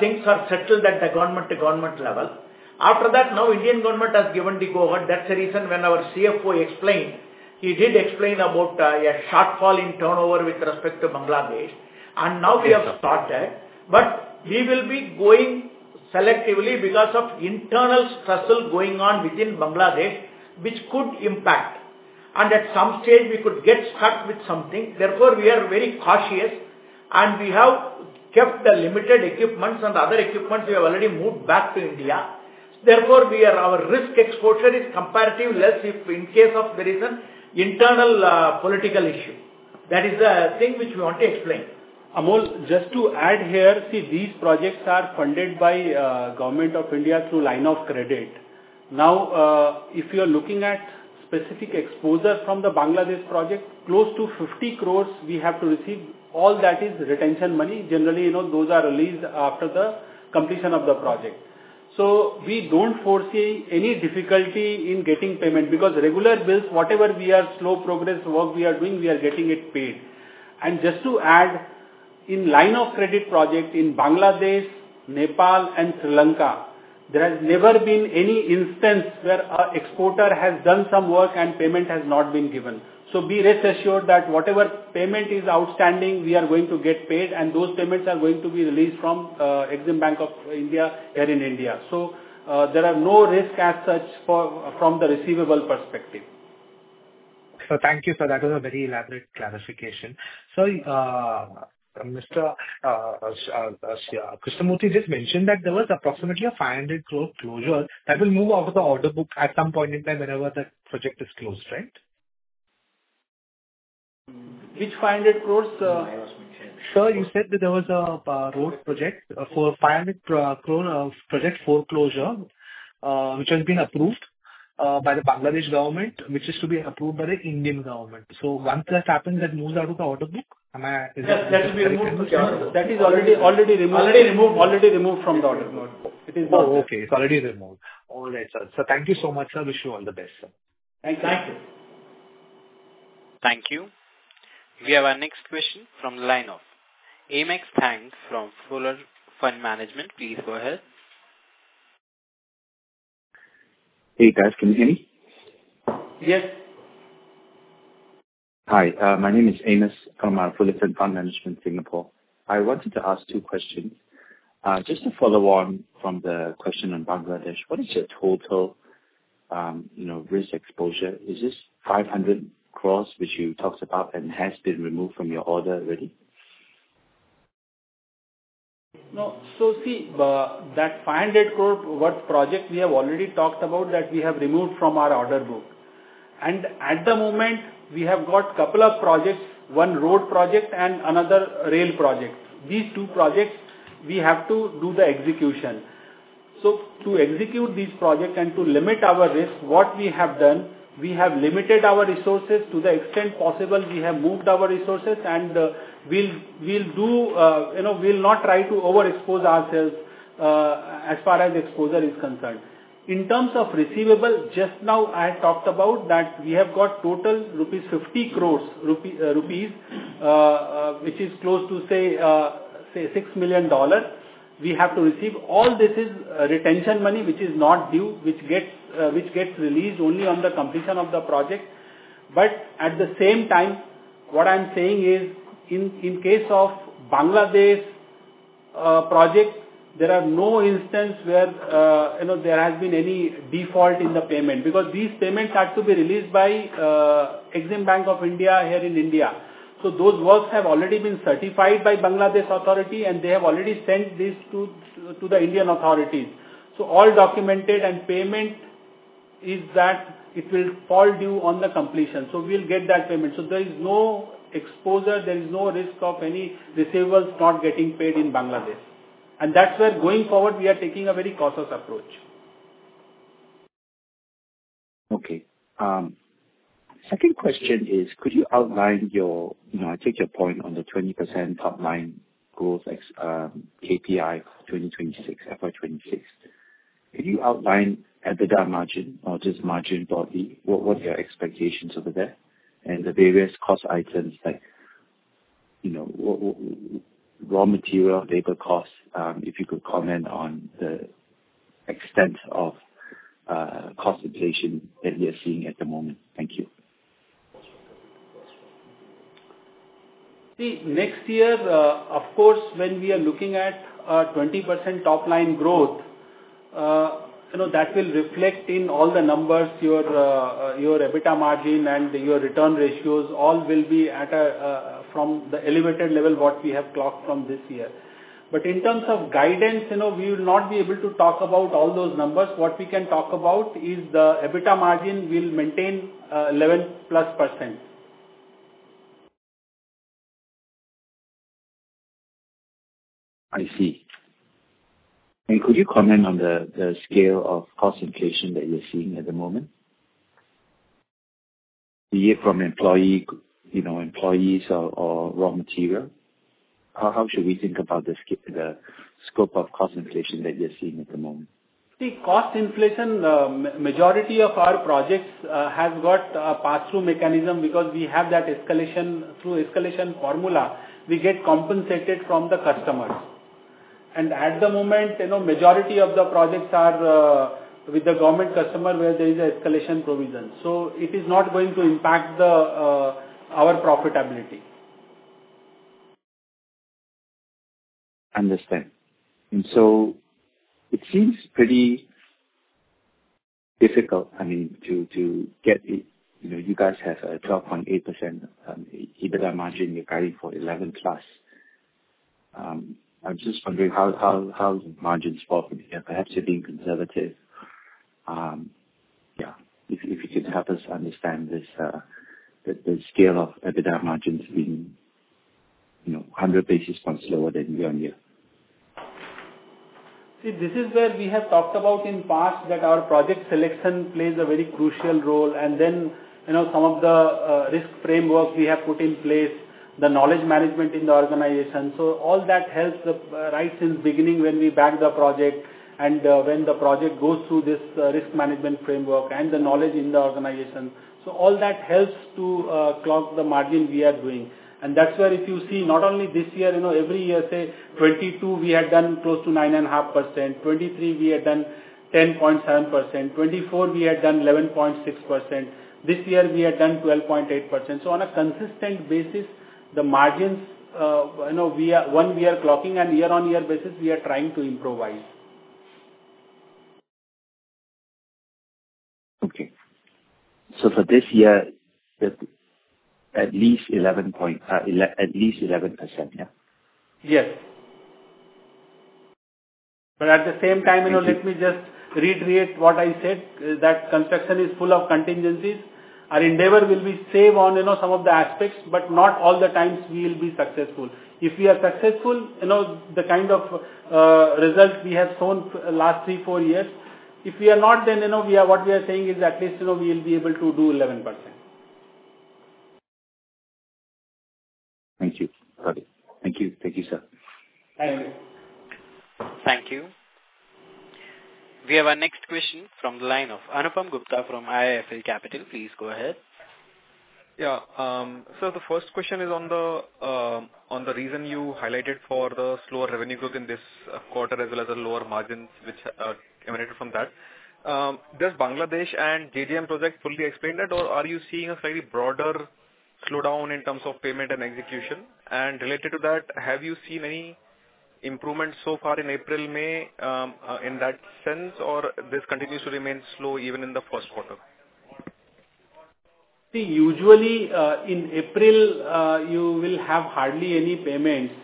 things are settled at the government-to-government level. After that, now Indian government has given the go-ahead. That is the reason when our CFO explained, he did explain about a shortfall in turnover with respect to Bangladesh. Now we have started that. We will be going selectively because of internal stress going on within Bangladesh, which could impact. At some stage, we could get stuck with something. Therefore, we are very cautious. We have kept the limited equipment and other equipment we have already moved back to India. Therefore, our risk exposure is comparatively less if in case there is an internal political issue. That is the thing which we want to explain. Amol, just to add here, these projects are funded by Government of India through line of credit. Now, if you are looking at specific exposure from the Bangladesh project, close to 50 crores we have to receive. All that is retention money. Generally, those are released after the completion of the project. We do not foresee any difficulty in getting payment because regular bills, whatever slow progress work we are doing, we are getting it paid. Just to add, in line of credit projects in Bangladesh, Nepal, and Sri Lanka, there has never been any instance where an exporter has done some work and payment has not been given. Be reassured that whatever payment is outstanding, we are going to get paid. Those payments are going to be released from Exim Bank of India here in India. There are no risks as such from the receivable perspective. Sir, thank you. Sir, that was a very elaborate clarification. Sir, Mr. Krishnamurthy just mentioned that there was approximately 500 crores closure that will move out of the order book at some point in time whenever the project is closed, right? Which 500 crores? Sir, you said that there was a road project for 500 crores project foreclosure, which has been approved by the Bangladesh government, which is to be approved by the Indian government. Once that happens, that moves out of the order book. That is already removed. Already removed. Already removed from the order book. It is not there. Oh, okay. It is already removed. All right, sir. Sir, thank you so much. I wish you all the best, sir. Thank you. Thank you. We have our next question from the line of Amos from Fullerton Fund Management. Please go ahead. Hey, guys. Can you hear me? Yes. Hi. My name is Amos from Fuller Fund Management, Singapore. I wanted to ask two questions. Just to follow on from the question on Bangladesh, what is your total risk exposure? Is this 500 croress which you talked about and has been removed from your order already? No. See, that 500 crore worth project we have already talked about that we have removed from our order book. At the moment, we have got a couple of projects, one road project and another rail project. These two projects, we have to do the execution. To execute these projects and to limit our risk, what we have done, we have limited our resources to the extent possible. We have moved our resources and we'll not try to overexpose ourselves as far as exposure is concerned. In terms of receivable, just now I talked about that we have got total 50 crores rupee, which is close to, say, $6 million. We have to receive. All this is retention money, which is not due, which gets released only on the completion of the project. At the same time, what I'm saying is in case of Bangladesh project, there are no instance where there has been any default in the payment because these payments have to be released by Exim Bank of India here in India. Those works have already been certified by Bangladesh authority and they have already sent this to the Indian authorities. All documented and payment is that it will fall due on the completion. We'll get that payment. There is no exposure. There is no risk of any receivables not getting paid in Bangladesh. That's where going forward, we are taking a very cautious approach. Okay. Second question is, could you outline your, I take your point on the 20% top line growth KPI for 2026, FY 2026. Could you outline EBITDA margin or just margin broadly? What are your expectations over there? And the various cost items like raw material, labor costs, if you could comment on the extent of cost inflation that you're seeing at the moment. Thank you. See, next year, of course, when we are looking at 20% top line growth, that will reflect in all the numbers, your EBITDA margin and your return ratios, all will be from the elevated level what we have clocked from this year. In terms of guidance, we will not be able to talk about all those numbers. What we can talk about is the EBITDA margin will maintain 11+%. Could you comment on the scale of cost inflation that you're seeing at the moment? Be it from employees or raw material. How should we think about the scope of cost inflation that you're seeing at the moment? See, cost inflation, the majority of our projects have got a pass-through mechanism because we have that escalation through escalation formula. We get compensated from the customers. At the moment, majority of the projects are with the government customer where there is an escalation provision. It is not going to impact our profitability. Understood. It seems pretty difficult, I mean, to get you guys have a 12.8% EBITDA margin. You're guiding for 11% plus. I'm just wondering how the margins fall from here. Perhaps you're being conservative. Yeah. If you could help us understand the scale of EBITDA margins being 100 basis points lower than year on year. See, this is where we have talked about in past that our project selection plays a very crucial role. And then some of the risk frameworks we have put in place, the knowledge management in the organization. All that helps right since beginning when we back the project and when the project goes through this risk management framework and the knowledge in the organization. All that helps to clock the margin we are doing. That is where if you see not only this year, every year, say, 2022, we had done close to 9.5%. 2023, we had done 10.7%. 2024, we had done 11.6%. This year, we had done 12.8%.On a consistent basis, the margins when we are clocking and year on year basis, we are trying to improvise. Okay. For this year, at least 11%, yeah? Yes. At the same time, let me just reiterate what I said, that construction is full of contingencies. Our endeavor will be saved on some of the aspects, but not all the times we will be successful. If we are successful, the kind of result we have shown last three, four years, if we are not, then what we are saying is at least we will be able to do 11%. Thank you. Thank you. Thank you, sir. Thank you. Thank you. We have our next question from the line of Anupam Gupta from IIFL Capital. Please go ahead. Yeah. Sir, the first question is on the reason you highlighted for the slower revenue growth in this quarter as well as the lower margins which emanated from that. Does Bangladesh and JJM project fully explain that, or are you seeing a slightly broader slowdown in terms of payment and execution? Related to that, have you seen any improvement so far in April, May in that sense, or does this continue to remain slow even in the first quarter? See, usually in April, you will have hardly any payments.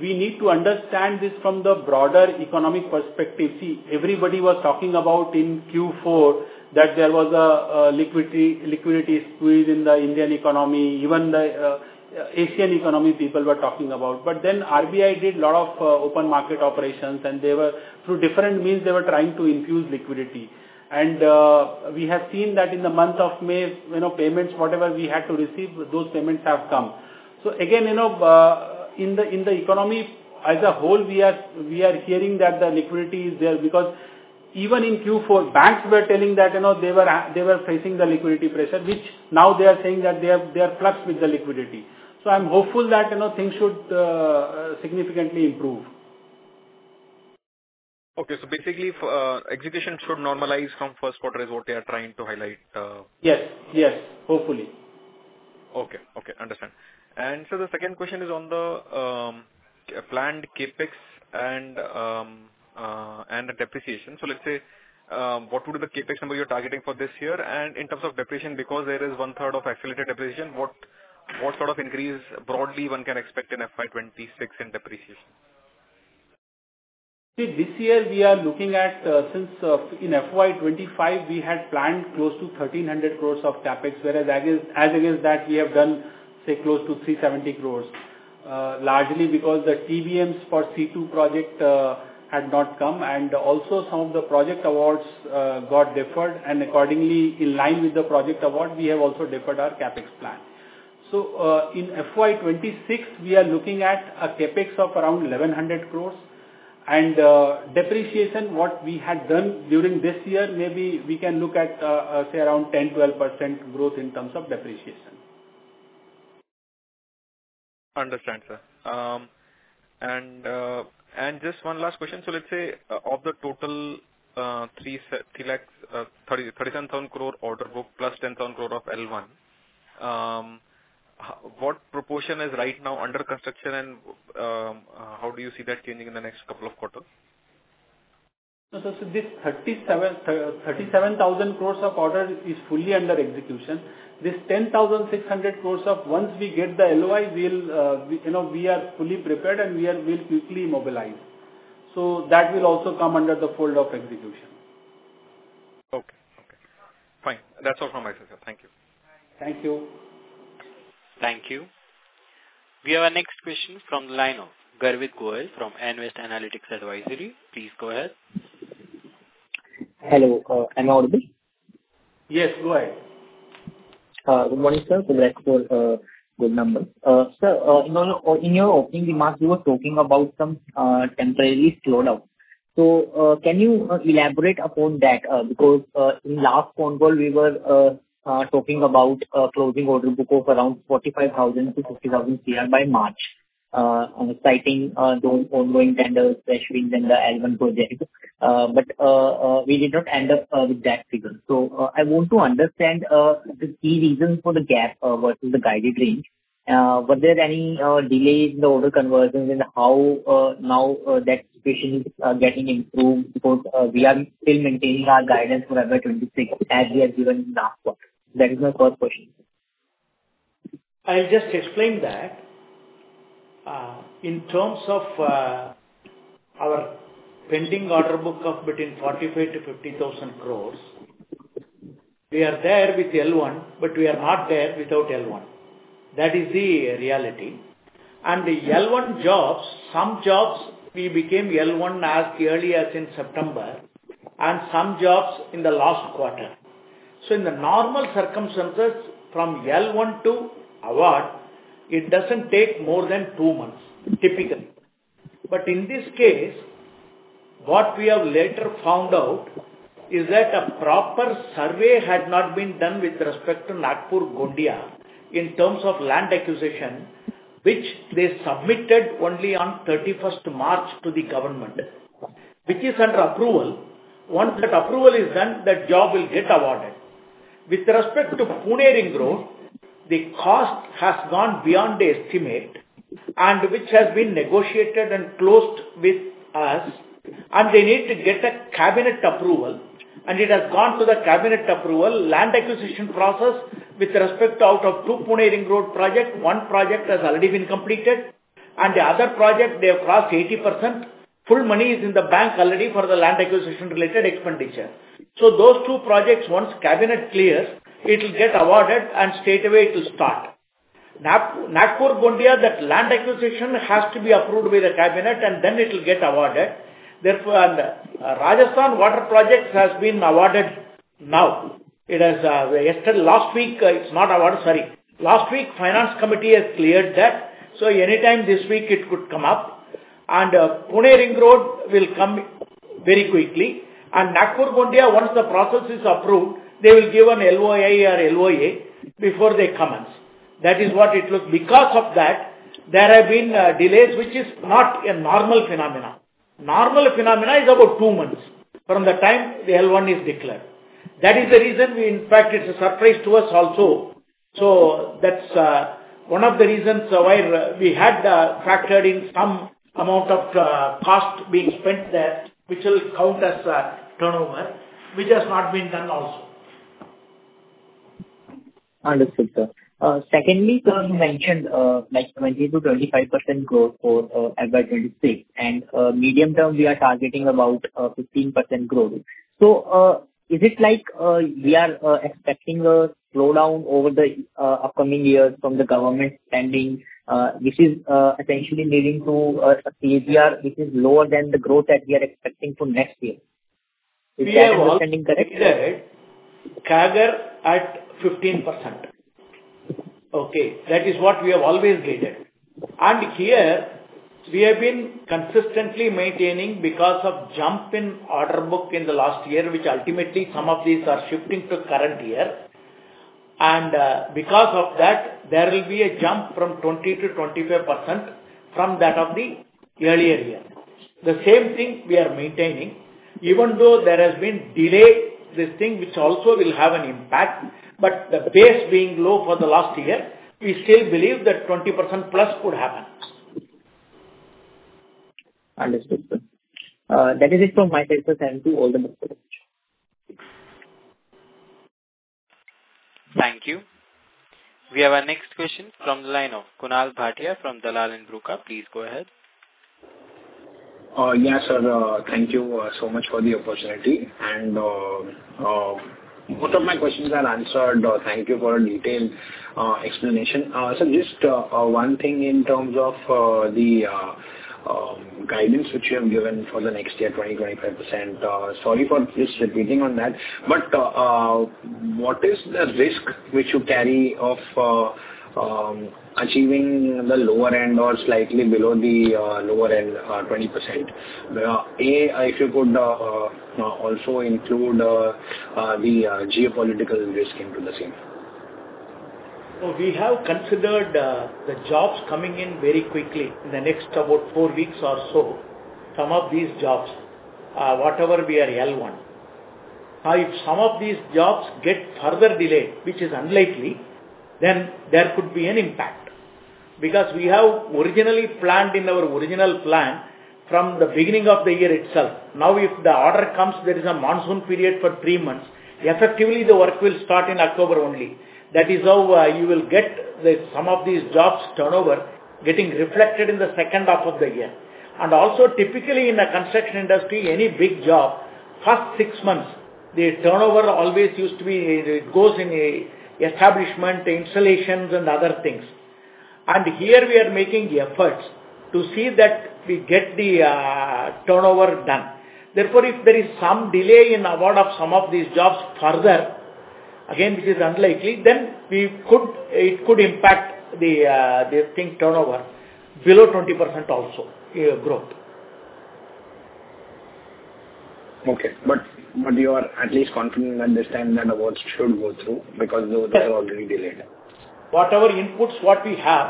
We need to understand this from the broader economic perspective. Everybody was talking about in Q4 that there was a liquidity squeeze in the Indian economy. Even the Asian economy people were talking about. RBI did a lot of open market operations, and through different means, they were trying to infuse liquidity. We have seen that in the month of May, payments, whatever we had to receive, those payments have come. In the economy as a whole, we are hearing that the liquidity is there because even in Q4, banks were telling that they were facing the liquidity pressure, which now they are saying that they are flushed with the liquidity. I'm hopeful that things should significantly improve. Okay. Basically, execution should normalize from first quarter is what they are trying to highlight Yes. Yes. Hopefully. Okay. Understood. The second question is on the planned CapEx and depreciation. Let's say what would be the CapEx number you're targeting for this year? In terms of depreciation, because there is one third of accelerated depreciation, what sort of increase broadly one can expect in FY 2026 in depreciation? See, this year we are looking at since in FY 2025, we had planned close to INR s1,300 crore of CapEx, whereas as against that, we have done, say, close to 370 crores, largely because the TBMs for C2 project had not come. Also, some of the project awards got deferred. Accordingly, in line with the project award, we have also deferred our CapEx plan. In FY 2026, we are looking at a CapEx of around 1,100 crore. Depreciation, what we had done during this year, maybe we can look at, say, around 10%-12% growth in terms of depreciation. Understood, sir. Just one last question. Let's say of the total 37,000 crores order book plus 10,000 crores of L1, what proportion is right now under construction, and how do you see that changing in the next couple of quarters? This 37,000 crores of order is fully under execution. This 10,600 crores, once we get the LOI, we are fully prepared and we will quickly mobilize. That will also come under the fold of execution. Okay. Okay. Fine. That's all from my side, sir. Thank you. Thank you. Thank you. We have our next question from the line of Garvit Goyal from Staistical Edge Invetsor. Please go ahead. Hello. Am I audible? Yes. Go ahead. Good morning, sir. From the Export Gov number. Sir, in your opening, we must be talking about some temporary slowdown. Can you elaborate upon that? Because in last phone call, we were talking about closing order book of around 45,000-50,000 crores by March, citing those ongoing tenders, especially in the L1 project. We did not end up with that figure. I want to understand the key reason for the gap versus the guided range. Were there any delays in the order conversion and how now that situation is getting improved? Because we are still maintaining our guidance for FY 2026 as we have given last quarter. That is my first question. I'll just explain that. In terms of our pending order book of between 45,000-50,000 crores, we are there with L1, but we are not there without L1. That is the reality. And the L1 jobs, some jobs we became L1 as early as in September, and some jobs in the last quarter. In the normal circumstances, from L1 to award, it does not take more than two months, typically. In this case, what we have later found out is that a proper survey had not been done with respect to Nagpur Gondia in terms of land acquisition, which they submitted only on 31st March to the government, which is under approval. Once that approval is done, that job will get awarded. With respect to Pune Ring Road, the cost has gone beyond the estimate, which has been negotiated and closed with us, and they need to get a cabinet approval. It has gone to the cabinet approval, land acquisition process with respect to two Pune Ring Road projects. One project has already been completed, and the other project, they have crossed 80%. Full money is in the bank already for the land acquisition related expenditure. Those two projects, once cabinet clears, will get awarded, and straightaway it will start. Nagpur Gondia, that land acquisition has to be approved by the cabinet, and then it will get awarded. Rajasthan water project has been awarded now. Last week, it's not awarded, sorry. Last week, finance committee has cleared that. Anytime this week, it could come up. Pune Ring Road will come very quickly. Nagpur Gondia, once the process is approved, they will give an LOI or LOA before they commence. That is what it looks like. Because of that, there have been delays, which is not a normal phenomenon. Normal phenomenon is about two months from the time the L1 is declared. That is the reason we, in fact, it's a surprise to us also. That's one of the reasons why we had factored in some amount of cost being spent there, which will count as turnover, which has not been done also. Understood, sir. Secondly, sir, you mentioned 20-25% growth for FY 2026, and medium term, we are targeting about 15% growth. Is it like we are expecting a slowdown over the upcoming years from the government spending, which is essentially leading to a CAGR, which is lower than the growth that we are expecting for next year? Is that understanding correct? Exactly. CAGR at 15%. Okay. That is what we have always gated. Here, we have been consistently maintaining because of jump in order book in the last year, which ultimately some of these are shifting to current year. Because of that, there will be a jump from 20 to 25% from that of the earlier year. The same thing we are maintaining. Even though there has been delay this thing, which also will have an impact, but the base being low for the last year, we still believe that 20% plus could happen. Understood, sir. That is it from my side to thank you all the most. Thank you. We have our next question from the line of Kunal Bhatia from Dalal and Broacha. Please go ahead. Yes, sir. Thank you so much for the opportunity. Both of my questions are answered. Thank you for a detailed explanation. Sir, just one thing in terms of the guidance which you have given for the next year, 20%-25%. Sorry for just repeating on that. What is the risk which you carry of achieving the lower end or slightly below the lower end 20%? A, if you could also include the geopolitical risk into the same. We have considered the jobs coming in very quickly in the next about four weeks or so. Some of these jobs, whatever we are L1, if some of these jobs get further delayed, which is unlikely, there could be an impact. Because we have originally planned in our original plan from the beginning of the year itself. Now, if the order comes, there is a monsoon period for three months. Effectively, the work will start in October only. That is how you will get some of these jobs turnover getting reflected in the second half of the year. Also, typically in the construction industry, any big job, first six months, the turnover always used to be it goes in establishment, installations, and other things. Here, we are making efforts to see that we get the turnover done. Therefore, if there is some delay in award of some of these jobs further, again, which is unlikely, then it could impact the turnover below 20% also growth. Okay. You are at least confident at this time that awards should go through because those are already delayed. Whatever inputs what we have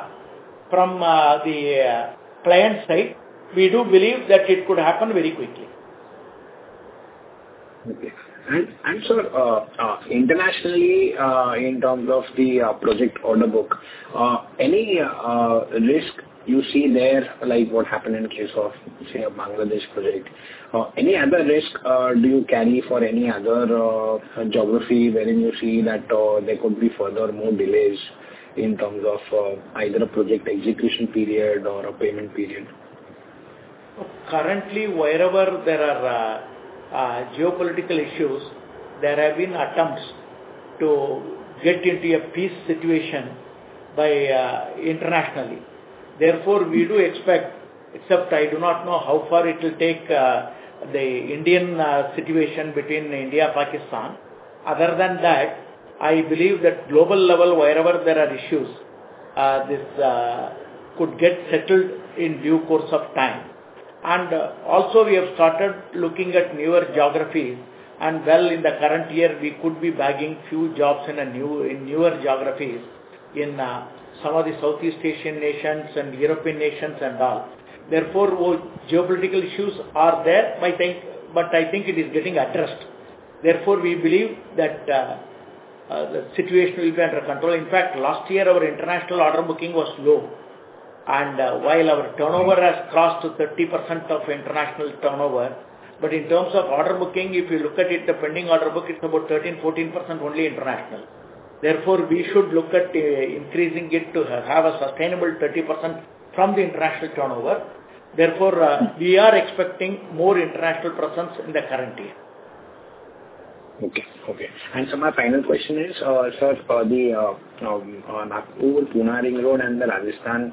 from the client side, we do believe that it could happen very quickly. Okay. Sir, internationally, in terms of the project order book, any risk you see there, like what happened in case of, say, a Bangladesh project? Any other risk do you carry for any other geography wherein you see that there could be further more delays in terms of either a project execution period or a payment period? Currently, wherever there are geopolitical issues, there have been attempts to get into a peace situation internationally. Therefore, we do expect, except I do not know how far it will take the Indian situation between India and Pakistan. Other than that, I believe that at the global level, wherever there are issues, this could get settled in due course of time. Also, we have started looking at newer geographies. In the current year, we could be bagging a few jobs in newer geographies in some of the Southeast Asian nations and European nations and all. Geopolitical issues are there, but I think it is getting addressed. Therefore, we believe that the situation will be under control. In fact, last year, our international order booking was low. While our turnover has crossed to 30% of international turnover, in terms of order booking, if you look at it, the pending order book, it is about 13-14% only international. Therefore, we should look at increasing it to have a sustainable 30% from the international turnover. Therefore, we are expecting more international presence in the current year. Okay. Okay. And sir, my final question is, sir, for the Nagpur Pune Ring Road and the Rajasthan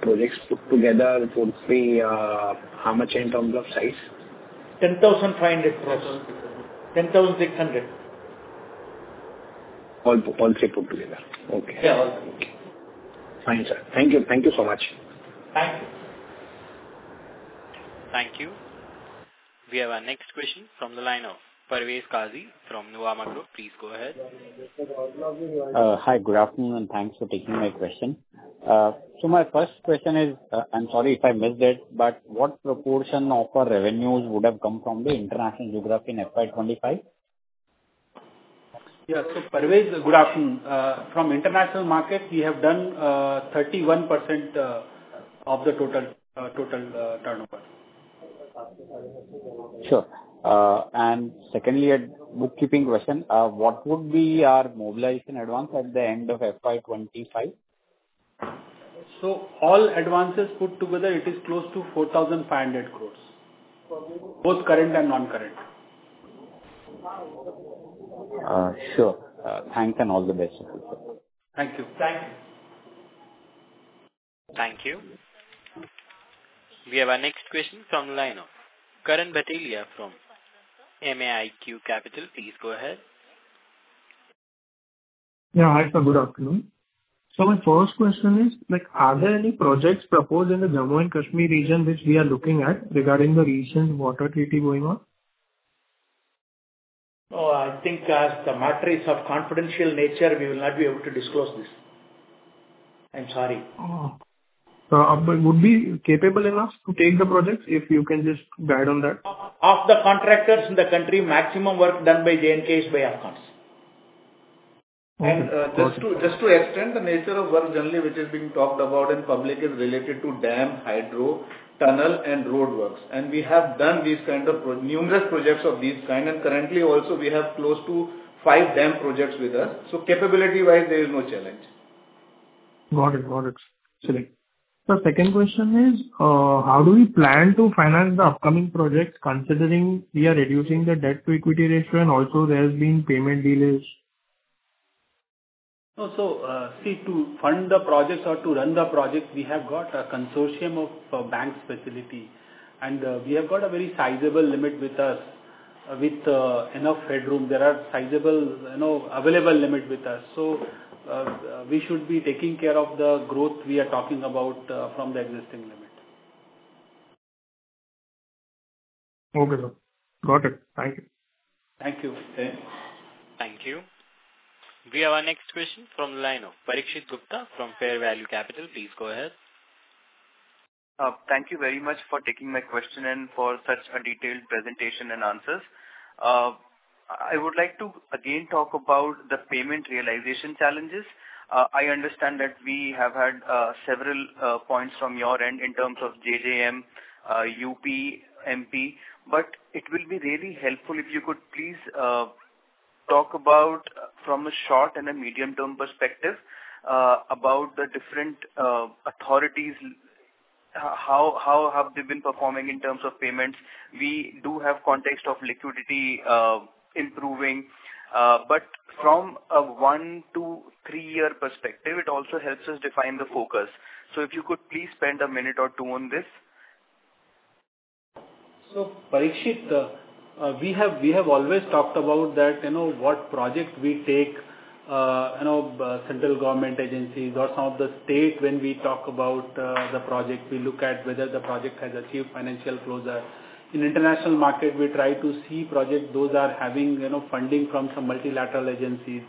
projects put together, it would be how much in terms of size? 10,500 crores. 10,600. All three put together. Okay. Yeah, all three. Okay. Fine, sir. Thank you. Thank you so much. Thank you. Thank you. We have our next question from the line of Parvez Qazi from Nuvama Group. Please go ahead. Hi, good afternoon, and thanks for taking my question. So my first question is, I'm sorry if I missed it, but what proportion of our revenues would have come from the international geography in FY25? Yeah. So Parvez, good afternoon. From international market, we have done 31% of the total turnover. Sure. Secondly, a bookkeeping question. What would be our mobilization advance at the end of FY 2025? All advances put together, it is close to 4,500 crores, both current and non-current. Sure. Thanks and all the best. Thank you. Thank you. Thank you. We have our next question from the line of Karan Bhatelia from MAIQ Capital. Please go ahead. Yeah. Hi, sir. Good afternoon. My first question is, are there any projects proposed in the Jammu and Kashmir region which we are looking at regarding the recent water treaty going on? Oh, I think as the matter is of confidential nature, we will not be able to disclose this. I'm sorry. Would we be capable enough to take the projects if you can just guide on that? Of the contractors in the country, maximum work done by Jammu and Kashmir is by our counts. Just to extend, the nature of work generally which is being talked about in public is related to dam, hydro, tunnel, and roadworks. We have done numerous projects of these kinds. Currently, also, we have close to five dam projects with us. Capability-wise, there is no challenge. Got it. Got it. Excellent. Sir, second question is, how do we plan to finance the upcoming projects considering we are reducing the debt-to-equity ratio and also there have been payment delays? To fund the projects or to run the projects, we have got a consortium of bank facilities. We have got a very sizable limit with us with enough headroom. There are sizable available limits with us. We should be taking care of the growth we are talking about from the existing limit. Okay, sir. Got it. Thank you. Thank you. Thank you. We have our next question from the line of Parikshit Gupta from Fair Value Capital. Please go ahead. Thank you very much for taking my question and for such a detailed presentation and answers. I would like to again talk about the payment realization challenges. I understand that we have had several points from your end in terms of JJM, UP, MP. It will be really helpful if you could please talk about from a short and a medium-term perspective about the different authorities, how have they been performing in terms of payments. We do have context of liquidity improving. From a one to three-year perspective, it also helps us define the focus. If you could please spend a minute or two on this. Parikshit, we have always talked about that what project we take, central government agencies or some of the state when we talk about the project, we look at whether the project has achieved financial closure. In international market, we try to see projects those are having funding from some multilateral agencies.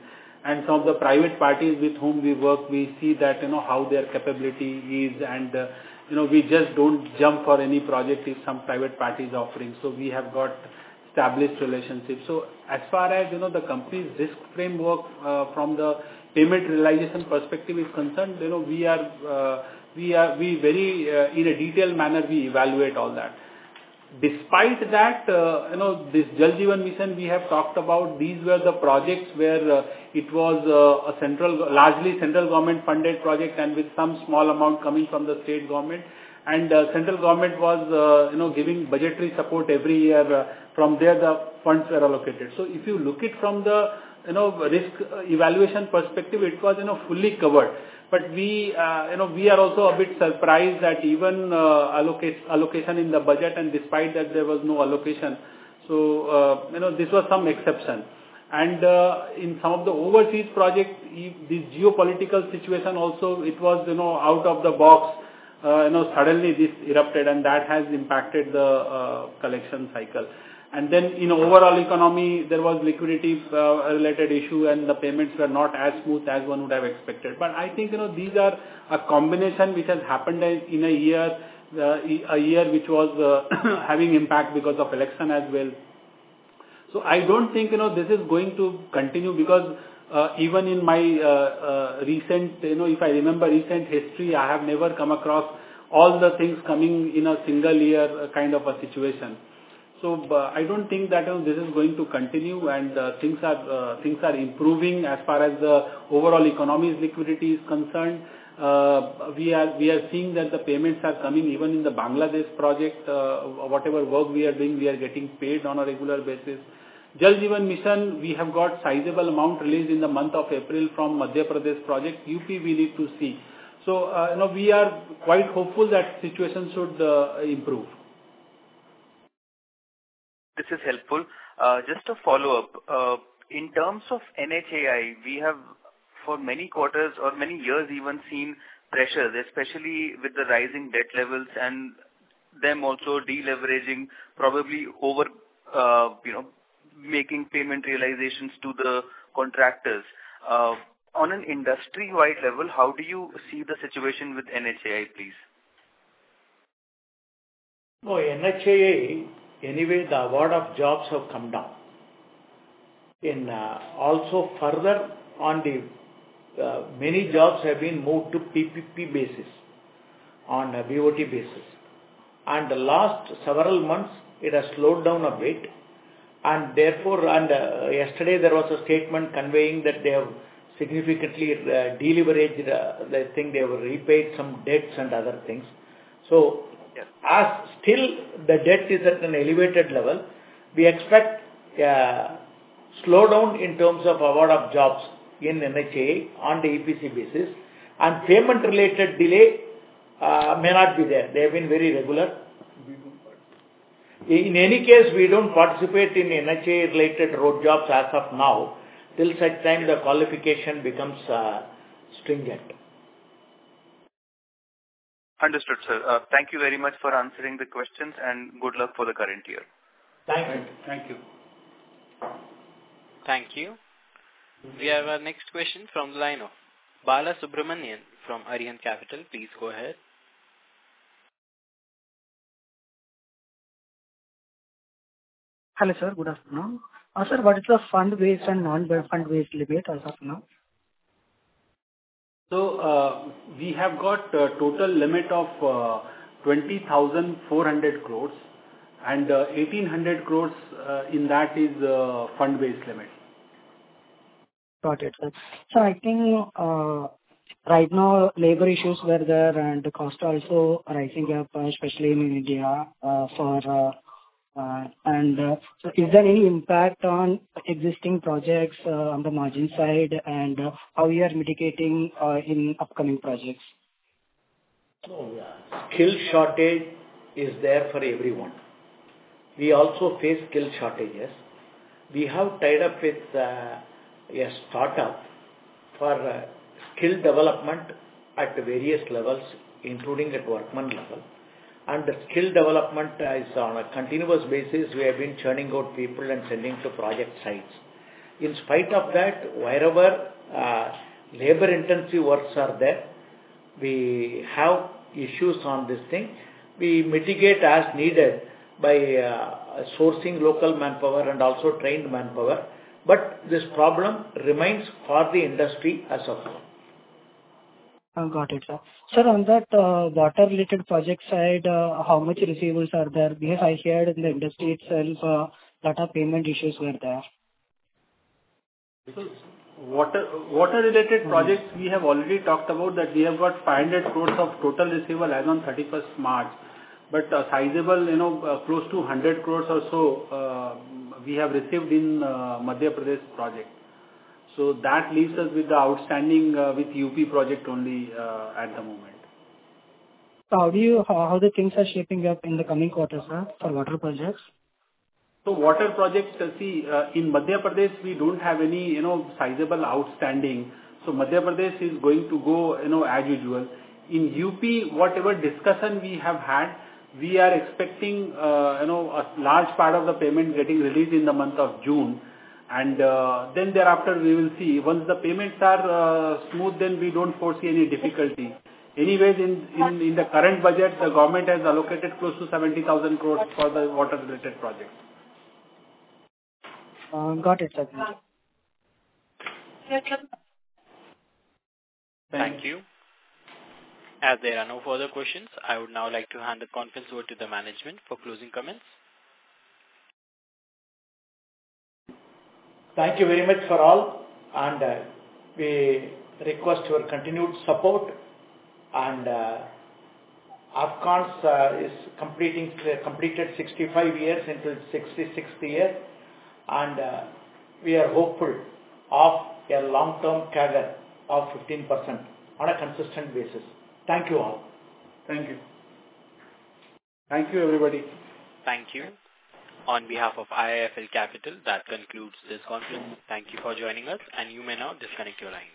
And some of the private parties with whom we work, we see that how their capability is. We just don't jump for any project if some private party is offering. We have got established relationships. As far as the company's risk framework from the payment realization perspective is concerned, we in a detailed manner, we evaluate all that. Despite that, this Jal Jeevan Mission we have talked about, these were the projects where it was largely central government-funded projects and with some small amount coming from the state government. Central government was giving budgetary support every year. From there, the funds were allocated. If you look at it from the risk evaluation perspective, it was fully covered. We are also a bit surprised that even with allocation in the budget, there was no allocation. This was some exception. In some of the overseas projects, the geopolitical situation also, it was out of the box. Suddenly, this erupted and that has impacted the collection cycle. In the overall economy, there was a liquidity-related issue and the payments were not as smooth as one would have expected. I think these are a combination which has happened in a year which was having impact because of election as well. I don't think this is going to continue because even in my recent, if I remember recent history, I have never come across all the things coming in a single-year kind of a situation. I don't think that this is going to continue and things are improving as far as the overall economy's liquidity is concerned. We are seeing that the payments are coming even in the Bangladesh project. Whatever work we are doing, we are getting paid on a regular basis. Jal Jeevan Mission, we have got sizable amount released in the month of April from Madhya Pradesh project. UP, we need to see. We are quite hopeful that situation should improve. This is helpful. Just a follow-up. In terms of NHAI, we have for many quarters or many years even seen pressures, especially with the rising debt levels and them also deleveraging, probably over making payment realizations to the contractors. On an industry-wide level, how do you see the situation with NHAI, please? NHAI, anyway, the award of jobs have come down. Also, further on, many jobs have been moved to PPP basis on BOT basis. In the last several months, it has slowed down a bit. Yesterday, there was a statement conveying that they have significantly deleveraged. I think they repaid some debts and other things. Still, the debt is at an elevated level. We expect slowdown in terms of award of jobs in NHAI on the EPC basis. Payment-related delay may not be there. They have been very regular. In any case, we do not participate in NHAI-related road jobs as of now. Till such time, the qualification becomes stringent. Understood, sir. Thank you very much for answering the questions and good luck for the current year. Thank you. Thank you. Thank you. We have our next question from the line of Bala Subramanian from Arihant Capital. Please go ahead. Hi, sir. Good afternoon. Sir, what is the fund-based and non-fund-based limit as of now? We have got a total limit of 20,400 crores. And 1,800 crores in that is the fund-based limit. Got it. Sir, I think right now, labor issues were there and the cost also, I think, especially in India. Is there any impact on existing projects on the margin side and how are you mitigating in upcoming projects? Oh, yeah. Skill shortage is there for everyone. We also face skill shortages. We have tied up with a startup for skill development at various levels, including at workman level. The skill development is on a continuous basis. We have been churning out people and sending to project sites. In spite of that, wherever labor-intensive works are there, we have issues on this thing. We mitigate as needed by sourcing local manpower and also trained manpower. This problem remains for the industry as of now. Got it. Sir, on that water-related project side, how much receivables are there? Because I heard in the industry itself that payment issues were there. Water-related projects, we have already talked about that we have got 500 crores of total receivable as of 31st March. Sizable, close to 100 crores or so, we have received in Madhya Pradesh project. That leaves us with the outstanding with UP project only at the moment. How are the things shaping up in the coming quarters, sir, for water projects? So water projects, see, in Madhya Pradesh, we do not have any sizable outstanding. Madhya Pradesh is going to go as usual. In UP, whatever discussion we have had, we are expecting a large part of the payment getting released in the month of June. Thereafter, we will see. Once the payments are smooth, we do not foresee any difficulty. Anyway, in the current budget, the government has allocated close to 70,000 crores for the water-related projects. Got it. Thank you. As there are no further questions, I would now like to hand the conference over to the management for closing comments. Thank you very much for all. We request your continued support. Afcons Infrastructure is completing 65 years into its 66th year. We are hopeful of a long-term carrier of 15% on a consistent basis. Thank you all. Thank you. Thank you, everybody. Thank you. On behalf of IIFL Capital, that concludes this conference. Thank you for joining us. You may now disconnect your line.